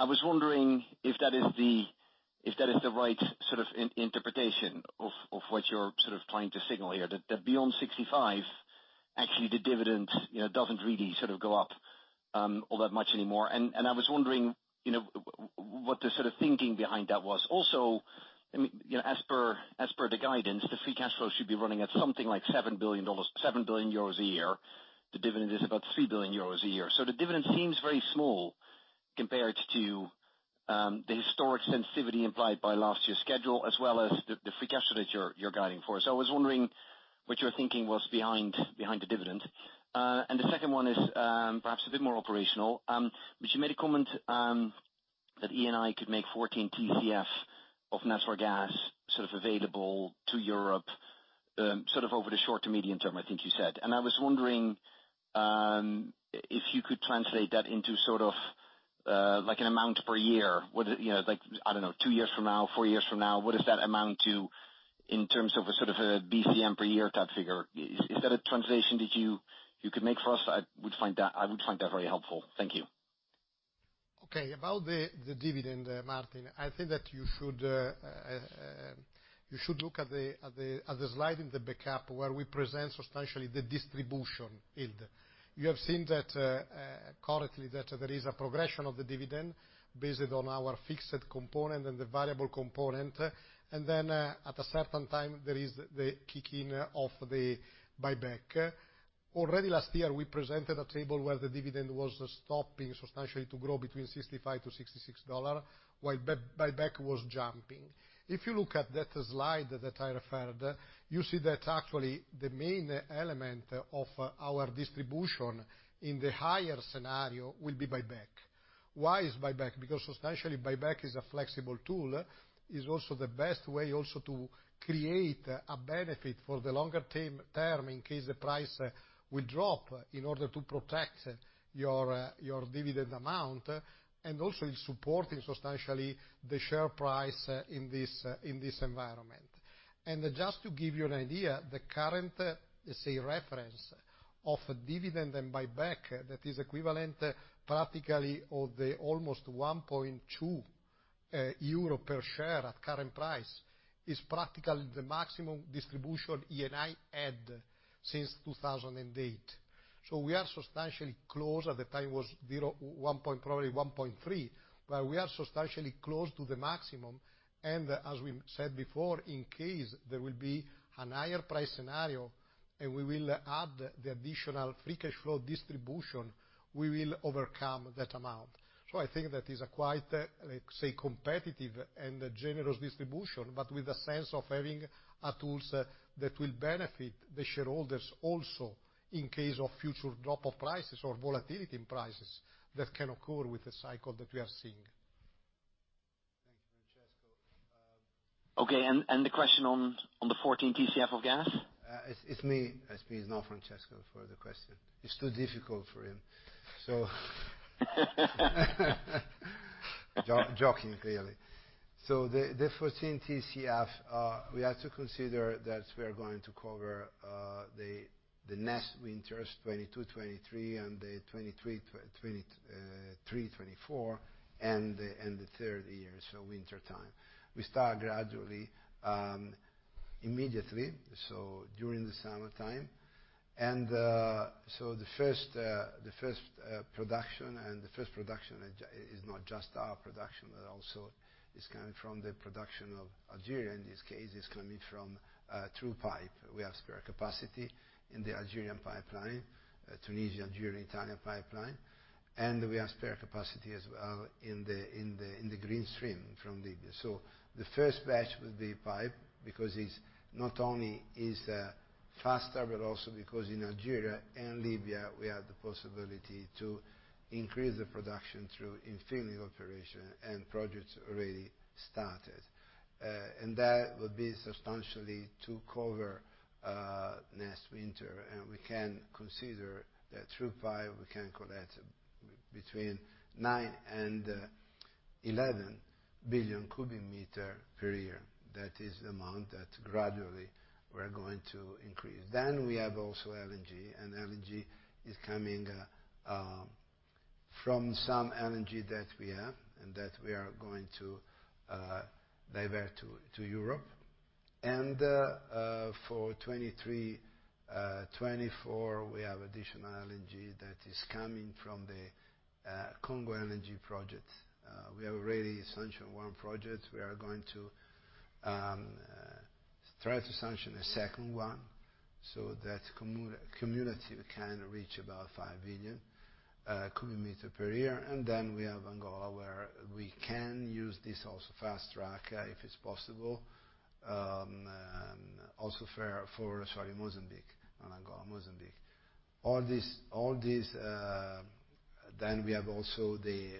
I was wondering if that is the right sort of interpretation of what you're sort of trying to signal here. That beyond 65, actually the dividend, you know, doesn't really sort of go up all that much anymore. I was wondering, you know, what the sort of thinking behind that was. Also, I mean, you know, as per the guidance, the free cash flow should be running at something like EUR 7 billion a year. The dividend is about 3 billion euros a year. The dividend seems very small compared to the historic sensitivity implied by last year's schedule, as well as the free cash flow that you're guiding for. I was wondering what your thinking was behind the dividend. The second one is perhaps a bit more operational, but you made a comment that Eni could make 14 TCF of natural gas sort of available to Europe sort of over the short to medium term, I think you said. I was wondering if you could translate that into sort of like an amount per year. What it you know like, I don't know, two years from now, four years from now, what does that amount to in terms of a sort of a BCM per year type figure? Is that a translation that you could make for us? I would find that very helpful. Thank you. Okay. About the dividend, Martin, I think that you should look at the slide in the backup where we present substantially the distribution yield. You have seen that currently, that there is a progression of the dividend based on our fixed component and the variable component. Then, at a certain time, there is the kick in of the buyback. Already last year, we presented a table where the dividend was stopping substantially to grow between $65-$66 while buyback was jumping. If you look at that slide that I referred, you see that actually the main element of our distribution in the higher scenario will be buyback. Why is buyback? Because substantially, buyback is a flexible tool, is also the best way also to create a benefit for the longer term in case the price will drop in order to protect your dividend amount, and also in supporting substantially the share price in this environment. Just to give you an idea, the current, let's say, reference of dividend and buyback that is equivalent practically of the almost 1.2 euro per share at current price is practically the maximum distribution Eni had since 2008. We are substantially close. At the time was one point, probably 1.3, but we are substantially close to the maximum. As we said before, in case there will be a higher price scenario and we will add the additional free cash flow distribution, we will overcome that amount. I think that is a quite, let's say, competitive and generous distribution, but with a sense of having a tools that will benefit the shareholders also in case of future drop of prices or volatility in prices that can occur with the cycle that we are seeing. Okay. The question on the 14 TCF of gas? It's me. It's not Francesco for the question. It's too difficult for him. Joking, clearly. The 14 TCF we have to consider that we are going to cover the next winters, 2022-2023, and the 2023-24, and the third year, wintertime. We start gradually immediately during the summertime. The first production is not just our production, but also is coming from the production of Algeria. In this case, it's coming from through pipeline. We have spare capacity in the Algerian pipeline, Tunisian-Algerian-Italian pipeline, and we have spare capacity as well in the GreenStream from Libya. The first batch will be pipe because it's not only is faster, but also because in Algeria and Libya, we have the possibility to increase the production through infilling operation and projects already started. That would be substantially to cover next winter. We can consider that through pipe we can collect between 9 and 11 billion cubic meter per year. That is the amount that gradually we're going to increase. We have also LNG, and LNG is coming from some LNG that we have and that we are going to divert to Europe. For 2023-2024, we have additional LNG that is coming from the Congo LNG project. We have already sanctioned one project. We are going to try to sanction a second one so that cumulatively we can reach about 5 billion cubic meters per year. We have Angola, where we can use this also fast-track if it's possible, and also for Mozambique, not Angola, Mozambique. All this. We have also the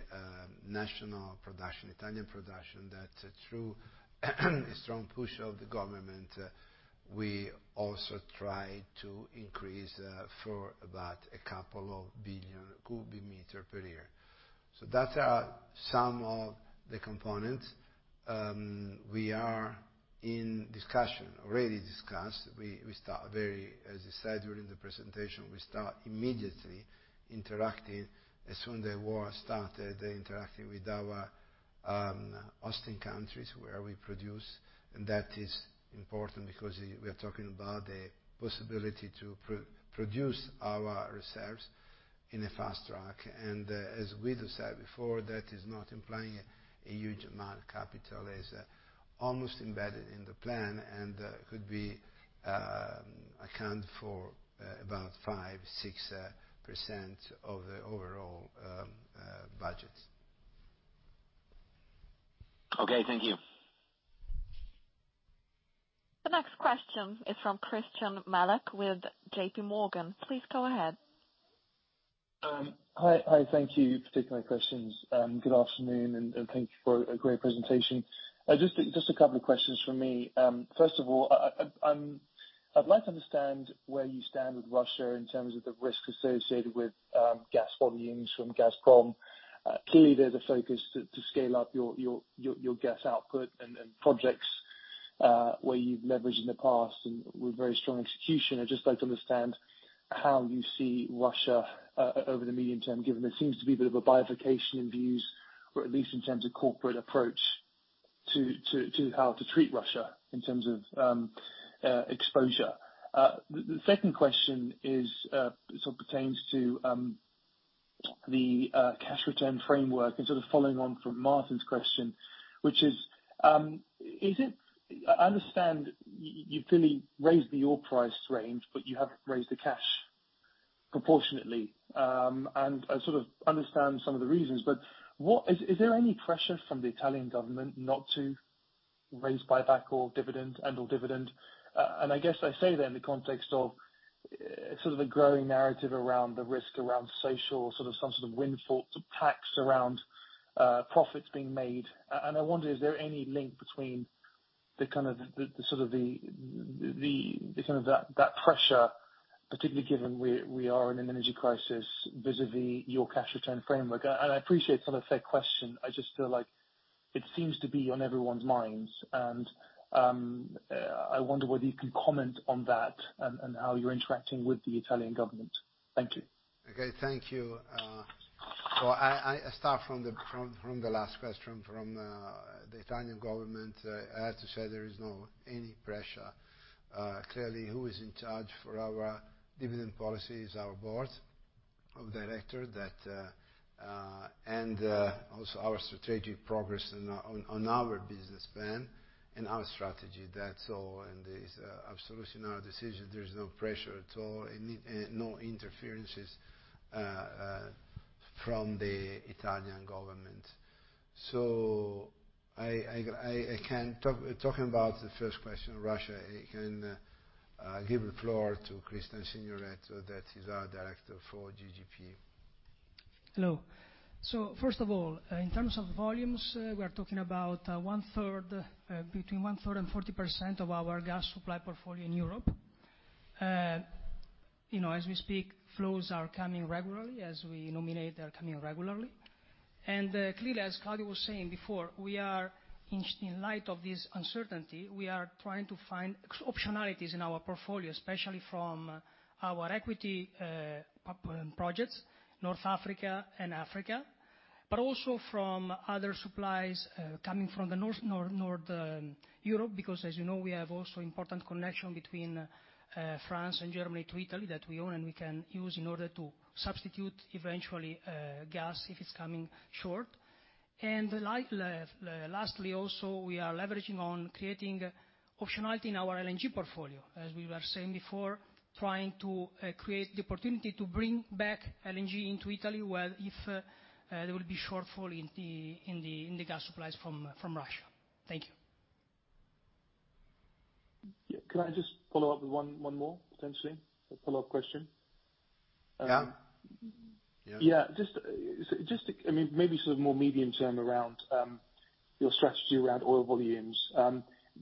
national production, Italian production, that through a strong push of the government, we also try to increase for about a couple of billion cubic meters per year. That's some of the components. We are in discussion, already discussed. We start very, as I said during the presentation, we start immediately interacting as soon as the war started, interacting with our host countries where we produce. That is important because we are talking about the possibility to produce our reserves in a fast track. As Guido said before, that is not implying a huge amount of capital. It is almost embedded in the plan and could account for about 5-6% of the overall budget. Okay, thank you. The next question is from Christyan Malek with JPMorgan. Please go ahead. Hi. Thank you for taking my questions. Good afternoon, and thank you for a great presentation. Just a couple of questions from me. First of all, I'd like to understand where you stand with Russia in terms of the risk associated with gas volumes from Gazprom. Clearly there's a focus to scale up your gas output and projects where you've leveraged in the past and with very strong execution. I'd just like to understand how you see Russia over the medium term, given there seems to be a bit of a bifurcation in views, or at least in terms of corporate approach to how to treat Russia in terms of exposure. The second question is sort of pertains to the cash return framework, and sort of following on from Martin's question, which is, I understand you've clearly raised the oil price range, but you haven't raised the cash proportionately. I sort of understand some of the reasons, but is there any pressure from the Italian government not to raise buyback or dividend, and/or dividend? I guess I say that in the context of sort of the growing narrative around the risk around social, sort of some sort of windfall tax around profits being made. I wonder, is there any link between the kind of that pressure, particularly given we are in an energy crisis, vis-à-vis your cash return framework? I appreciate it's not a fair question. I just feel like it seems to be on everyone's minds. I wonder whether you can comment on that and how you're interacting with the Italian government. Thank you. Okay, thank you. I start from the last question from the Italian government. I have to say there is no any pressure. Clearly who is in charge for our dividend policy is our board of directors and also our strategic progress on our business plan and our strategy. That's all, and it's absolutely our decision. There's no pressure at all, no interferences from the Italian government. I can talk about the first question, Russia. I can give the floor to Cristian Signoretto, that is our director for GGP. Hello. First of all, in terms of volumes, we are talking about between 1/3 and 40% of our gas supply portfolio in Europe. You know, as we speak, flows are coming regularly, as we nominate, they are coming regularly. Clearly, as Claudio was saying before, we are in light of this uncertainty, we are trying to find optionalities in our portfolio, especially from our equity projects, North Africa and Africa, but also from other supplies coming from the north Europe, because as you know, we have also important connection between France and Germany to Italy that we own and we can use in order to substitute eventually gas if it's coming short. Lastly also, we are leveraging on creating optionality in our LNG portfolio. As we were saying before, trying to create the opportunity to bring back LNG into Italy, where if there will be shortfall in the gas supplies from Russia. Thank you. Yeah. Could I just follow up with one more potentially? A follow-up question. Yeah. Yeah. Yeah. I mean, maybe sort of more medium term around your strategy around oil volumes.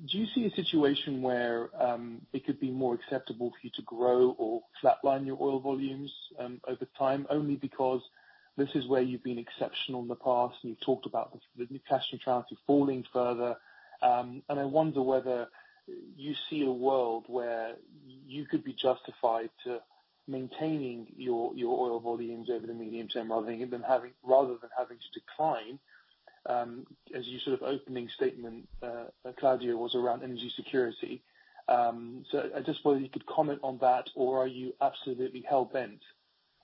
Do you see a situation where it could be more acceptable for you to grow or flatline your oil volumes over time, only because this is where you've been exceptional in the past, and you've talked about the cash neutrality falling further. I wonder whether you see a world where you could be justified to maintaining your oil volumes over the medium term, rather than having to decline, as your sort of opening statement, Claudio, was around energy security. I just wondered if you could comment on that, or are you absolutely hell-bent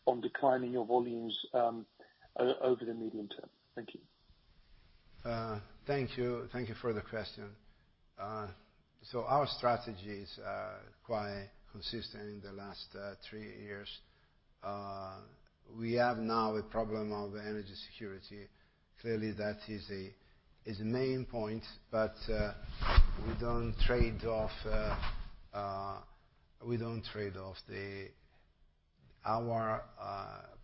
on declining your volumes over the medium term? Thank you. Thank you. Thank you for the question. Our strategy is quite consistent in the last three years. We have now a problem of energy security. Clearly, that is a main point, but we don't trade off our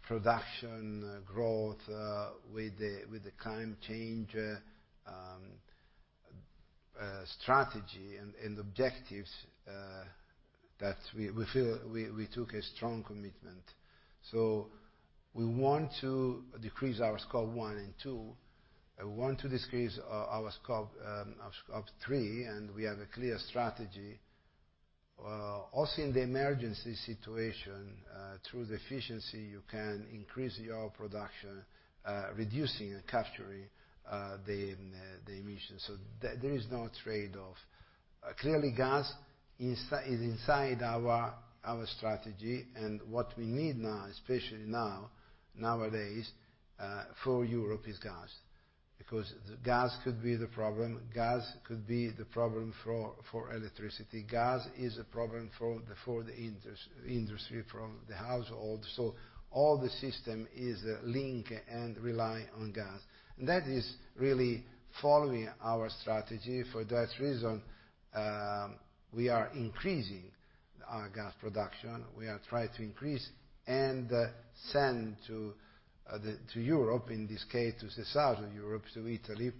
production growth with the climate change strategy and objectives that we feel we took a strong commitment. We want to decrease our Scope 1 and 2, and we want to decrease our Scope 3, and we have a clear strategy. Also in the emergency situation, through the efficiency, you can increase your production, reducing and capturing the emissions. There is no trade-off. Clearly, gas is inside our strategy, and what we need now, especially now, nowadays, for Europe is gas. Because gas could be the problem for electricity, gas is a problem for the industry, for the household. All the system is linked and rely on gas. That is really following our strategy. For that reason, we are increasing our gas production. We are trying to increase and send to Europe, in this case, to southern Europe, to Italy,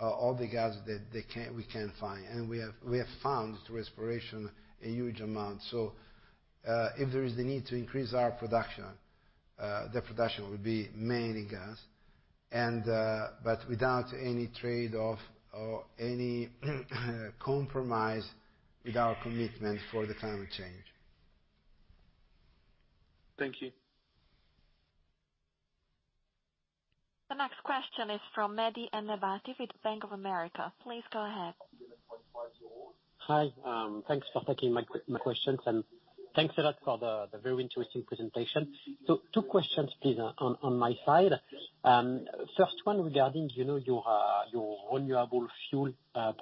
all the gas that we can find. We have found through exploration a huge amount. If there is the need to increase our production, the production would be mainly gas. But without any trade-off or any compromise with our commitment for the climate change. Thank you. The next question is from Mehdi Ennebati with Bank of America. Please go ahead. Hi. Thanks for taking my questions, and thanks a lot for the very interesting presentation. Two questions please on my side. First one regarding, you know, your renewable fuel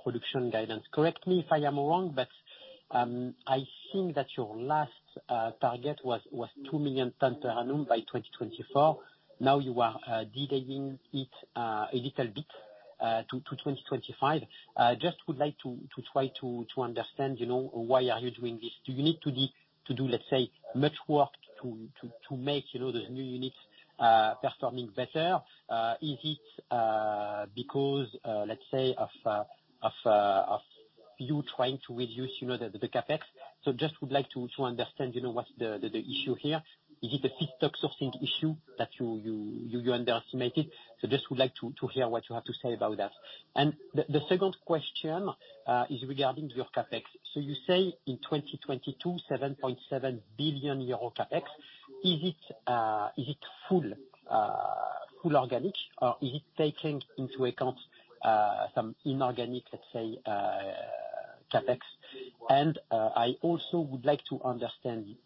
production guidance. Correct me if I am wrong, but I think that your last target was 2 million tons per annum by 2024. Now you are delaying it a little bit to 2025. Just would like to try to understand, you know, why are you doing this? Do you need to do, let's say, much work to make, you know, the new units performing better? Is it because, let's say, of you trying to reduce, you know, the CapEx? I just would like to understand, you know, what's the issue here. Is it a feedstock sourcing issue that you underestimated? I just would like to hear what you have to say about that. The second question is regarding your CapEx. You say in 2022, 7.7 billion euro CapEx. Is it full organic, or is it taking into account some inorganic, let's say, CapEx? I also would like to understand.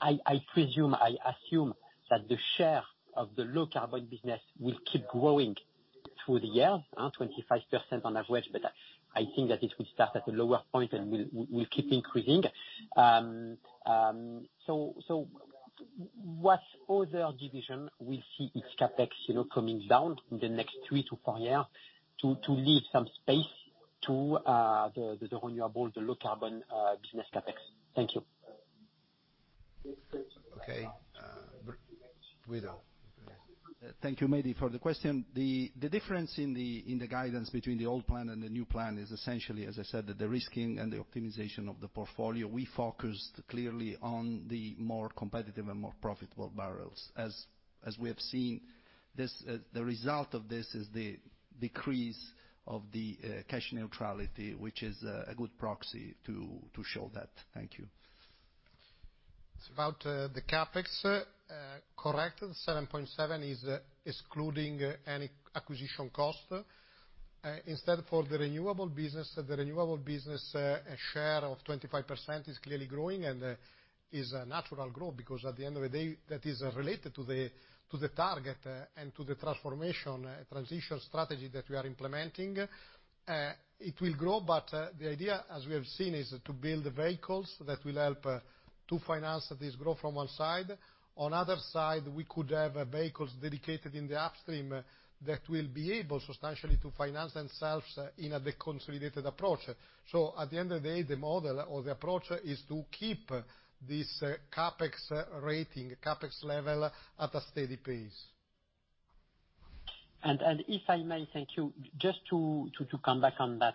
I presume I assume that the share of the low carbon business will keep growing through the year, 25% on average. I think that it will start at a lower point, and will keep increasing. What other division will see its CapEx, you know, coming down in the next three to five years to leave some space to the renewable, the low carbon business CapEx? Thank you. Okay, Guido. Thank you, Mehdi, for the question. The difference in the guidance between the old plan and the new plan is essentially, as I said, the de-risking and the optimization of the portfolio. We focused clearly on the more competitive and more profitable barrels. As we have seen this, the result of this is the decrease of the cash neutrality, which is a good proxy to show that. Thank you. It's about the CapEx. Correct, 7.7 is excluding any acquisition cost. Instead, for the renewable business, share of 25% is clearly growing and is a natural growth, because at the end of the day, that is related to the target and to the transformation transition strategy that we are implementing. It will grow, but the idea, as we have seen, is to build the vehicles that will help to finance this growth from one side. On the other side, we could have vehicles dedicated in the upstream that will be able to substantially finance themselves in a deconsolidated approach. At the end of the day, the model or the approach is to keep this CapEx rating, CapEx level at a steady pace. If I may, thank you. Just to come back on that.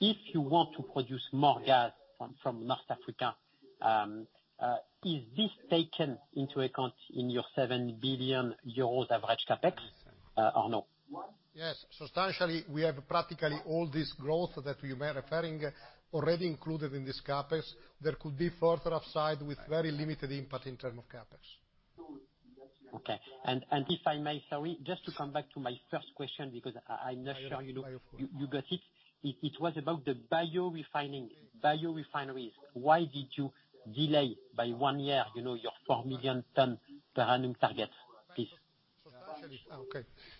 If you want to produce more gas from North Africa, is this taken into account in your 7 billion euros average CapEx, or no? Yes. Substantially, we have practically all this growth that you may be referring to already included in this CapEx. There could be further upside with very limited impact in terms of CapEx. Okay. If I may, sorry, just to come back to my first question, because I'm not sure, you know, you got it. It was about the biorefineries. Why did you delay by one year, you know, your 4 million ton per annum target, please?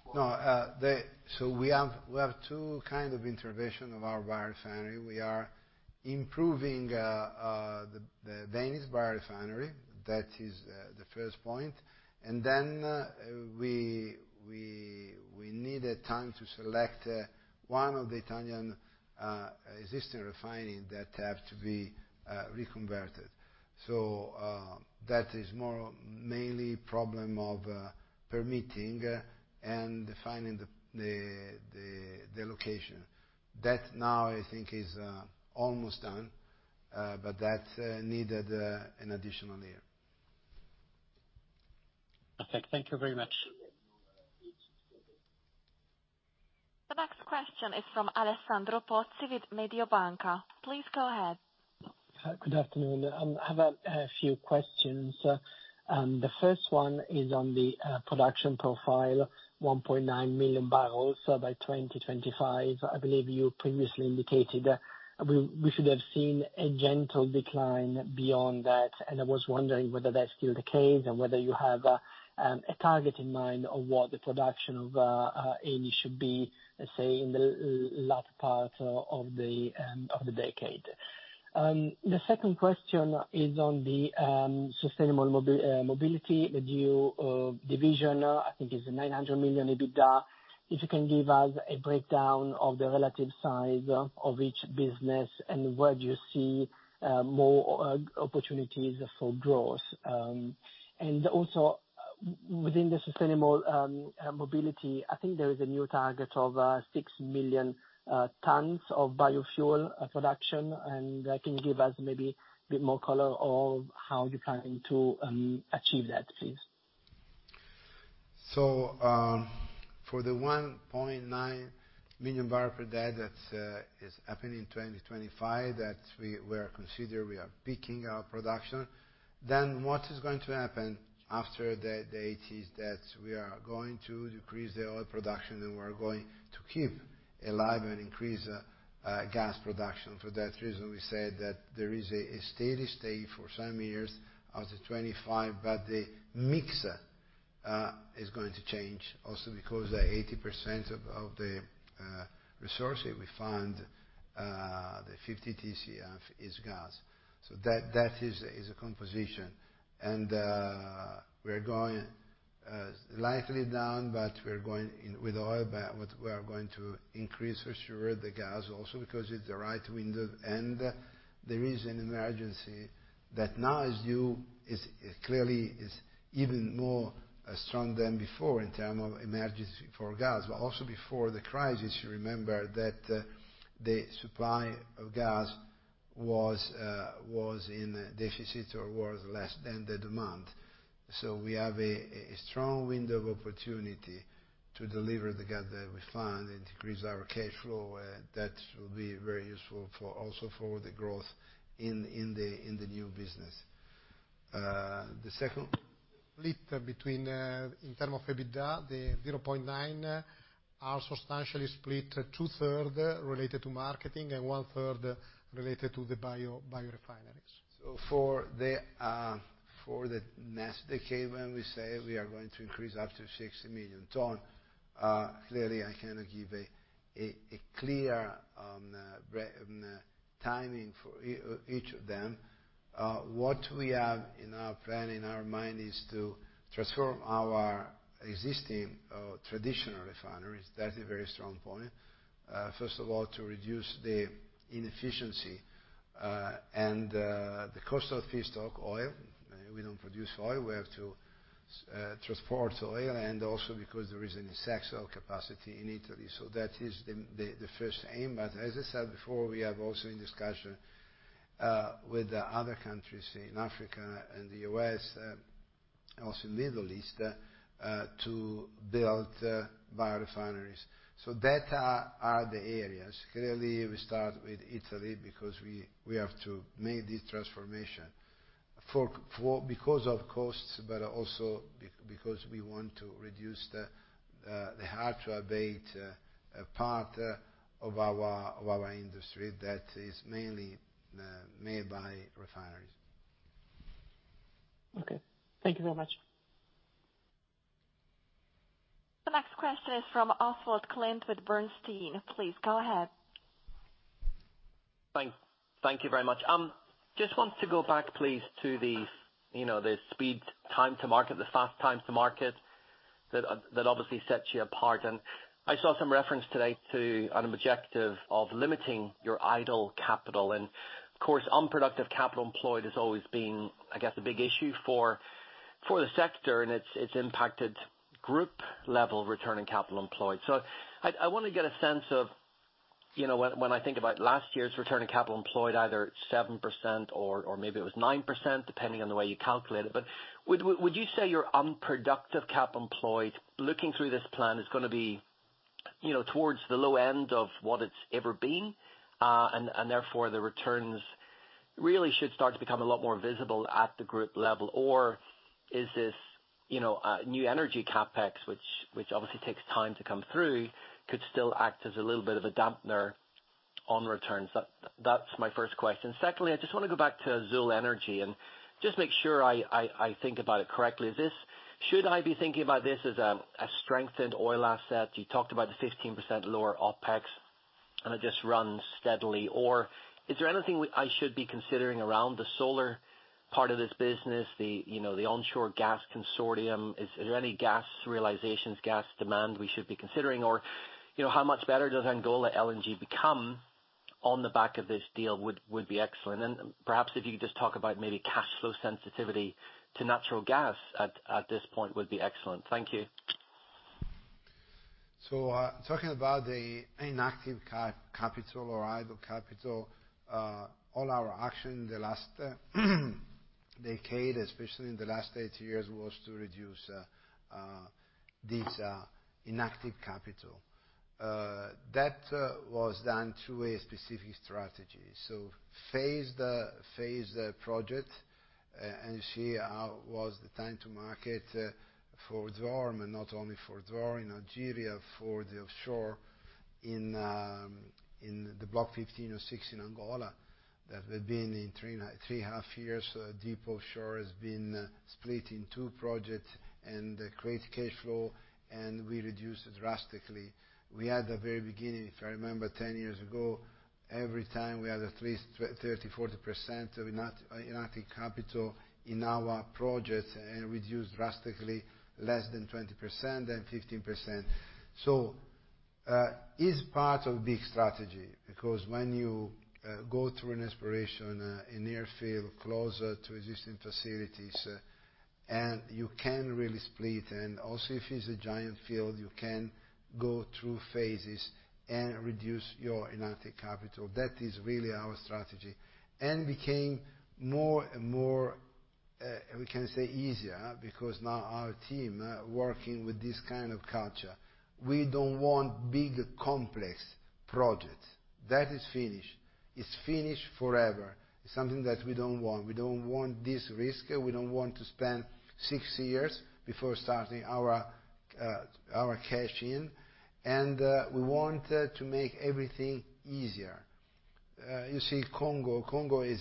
We have two kind of intervention of our biorefinery. We are improving the Venice biorefinery. That is the first point. We needed time to select one of the Italian existing refineries that have to be reconverted. That is mainly a problem of permitting and finding the location. That now, I think, is almost done, but that needed an additional year. Okay. Thank you very much. The next question is from Alessandro Pozzi with Mediobanca. Please go ahead. Hi. Good afternoon. I have a few questions. The first one is on the production profile, 1.9 million barrels by 2025. I believe you previously indicated we should have seen a gentle decline beyond that, and I was wondering whether that's still the case, and whether you have a target in mind of what the production of Eni should be, let's say, in the latter part of the decade. The second question is on the sustainable mobility, the new division. I think it's 900 million EBITDA. If you can give us a breakdown of the relative size of each business and where do you see more opportunities for growth. Within the sustainable mobility, I think there is a new target of 6 million tons of biofuel production, and can you give us maybe a bit more color on how you're planning to achieve that, please? For the 1.9 million barrels per day, that's happening in 2025, that we are peaking our production. What is going to happen after that is that we are going to decrease the oil production, and we are going to keep alive and increase gas production. For that reason, we said that there is a steady state for some years after 2025. The mix is going to change also because 80% of the resources we found, the 50 TCF is gas. That is a composition. We are going slightly down, but we're going down with oil, but we are going to increase for sure the gas also because it's the right window. There is an emergency that now is due, is clearly even more strong than before in terms of emergency for gas. Also before the crisis, you remember that the supply of gas was in deficit or was less than the demand. We have a strong window of opportunity to deliver the gas that we found and increase our cash flow. That will be very useful for also for the growth in the new business. The second. Split between in terms of EBITDA, the 0.9 are substantially split 2/3 related to marketing and 1/3 related to the biorefineries. For the next decade, when we say we are going to increase up to 60 million ton, clearly, I cannot give a clear timing for each of them. What we have in our plan, in our mind, is to transform our existing traditional refineries. That's a very strong point. First of all, to reduce the inefficiency and the cost of feedstock oil, we don't produce oil. We have to transport oil and also because there is an excess oil capacity in Italy. That is the first aim. As I said before, we have also in discussion with the other countries in Africa and the U.S., also Middle East, to build biorefineries. That are the areas. Clearly, we start with Italy because we have to make this transformation because of costs, but also because we want to reduce the hard to abate part of our industry that is mainly made by refineries. Okay. Thank you very much. The next question is from Oswald Clint with Bernstein. Please go ahead. Thank you very much. Just want to go back please to the, you know, the speed time to market, the fast times to market that obviously sets you apart. I saw some reference today to an objective of limiting your idle capital. Of course, unproductive capital employed has always been, I guess, a big issue for the sector, and it's impacted group level returning capital employed. I wanna get a sense of, you know, when I think about last year's returning capital employed, either 7% or maybe it was 9%, depending on the way you calculate it. Would you say your upstream CapEx employed looking through this plan is gonna be, you know, towards the low end of what it's ever been, and therefore, the returns really should start to become a lot more visible at the group level? Or is this, you know, new energy CapEx, which obviously takes time to come through, could still act as a little bit of a dampener on returns? That's my first question. Secondly, I just wanna go back to Azule Energy and just make sure I think about it correctly. Should I be thinking about this as a strengthened oil asset? You talked about the 15% lower OpEx, and it just runs steadily. Is there anything I should be considering around the solar part of this business, you know, the onshore gas consortium? Is there any gas realizations, gas demand we should be considering? You know, how much better does Angola LNG become on the back of this deal would be excellent. Perhaps if you could just talk about maybe cash flow sensitivity to natural gas at this point would be excellent. Thank you. Talking about the inactive capital or idle capital, all our action in the last decade, especially in the last eight years, was to reduce this inactive capital. That was done through a specific strategy. Phased the project and reduced the time to market for Zohr, and not only for Zohr in Algeria, for the offshore in the Block 15/16 in Angola, that have been in three and a half years. Deep offshore has been split in two projects and created cash flow, and we reduced drastically. In the very beginning, if I remember 10 years ago, every time we had at least 30%-40% of inactive capital in our projects, reduced drastically less than 20%, then 15%. It is part of big strategy because when you go through an exploration in near field closer to existing facilities and you can really split. Also, if it is a giant field, you can go through phases and reduce your inactive capital. That is really our strategy. It became more and more we can say easier because now our team working with this kind of culture. We do not want big, complex projects. That is finished. It is finished forever. It is something that we do not want. We do not want this risk. We do not want to spend 6 years before starting our cash in, and we want to make everything easier. You see Congo. Congo is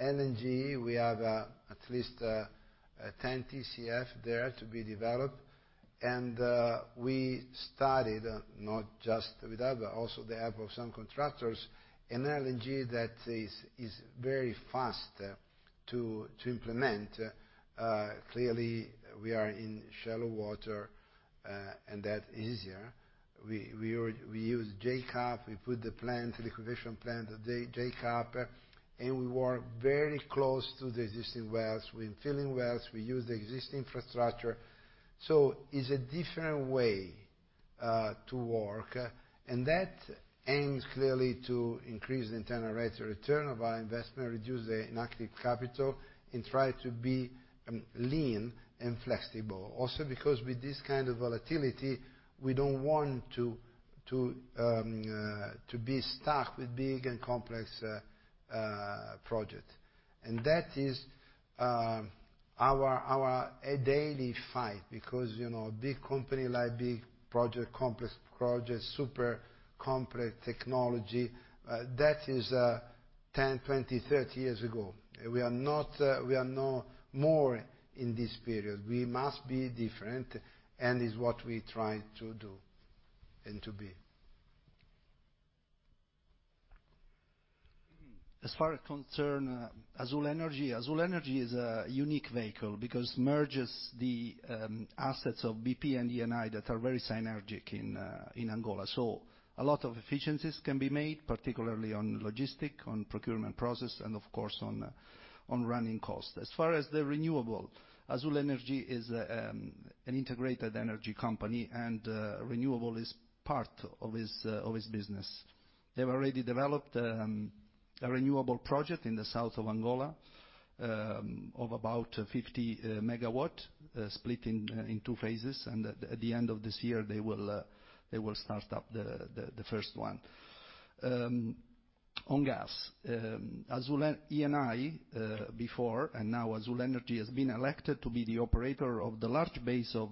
LNG. We have at least 10 TCF there to be developed. We started not just with that, but also with the help of some contractors. An LNG that is very fast to implement. Clearly, we are in shallow water, and that easier. We use jack-up, we put the plant, the liquefaction plant, the jack-up, and we work very close to the existing wells. We're filling wells, we use the existing infrastructure. It's a different way to work, and that aims clearly to increase the internal rates of return of our investment, reduce the inactive capital, and try to be lean and flexible. Also, because with this kind of volatility, we don't want to be stuck with big and complex project. That is our daily fight because you know big company like big project, complex projects, super complex technology that is 10, 20, 30 years ago. We are not we are no more in this period. We must be different, and it's what we try to do and to be. As far as concerns Azule Energy. Azule Energy is a unique vehicle because it merges the assets of BP and Eni that are very synergistic in Angola. A lot of efficiencies can be made, particularly on logistics, on procurement process, and of course on running costs. As far as the renewable, Azule Energy is an integrated energy company and renewable is part of its business. They have already developed a renewable project in the south of Angola of about 50 MW, split in two phases, and at the end of this year, they will start up the first one. On gas. Azule Energy before, and now Azule Energy has been elected to be the operator of the large base of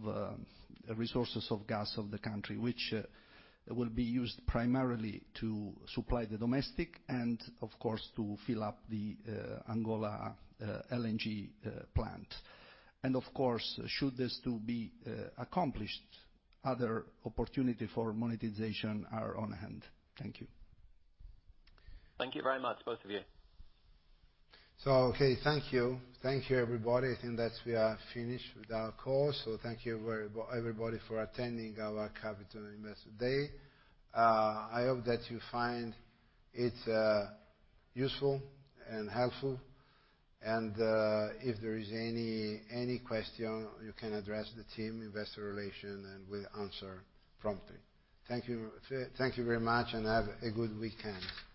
resources of gas of the country, which will be used primarily to supply the domestic and of course to fill up the Angola LNG plant. Of course, should this to be accomplished, other opportunity for monetization are on hand. Thank you. Thank you very much, both of you. Okay. Thank you. Thank you, everybody. I think that we are finished with our call. Thank you very much, everybody, for attending our Capital Investment Day. I hope that you find it useful and helpful. If there is any question, you can address the team, Investor Relations, and we'll answer promptly. Thank you. Thank you very much and have a good weekend.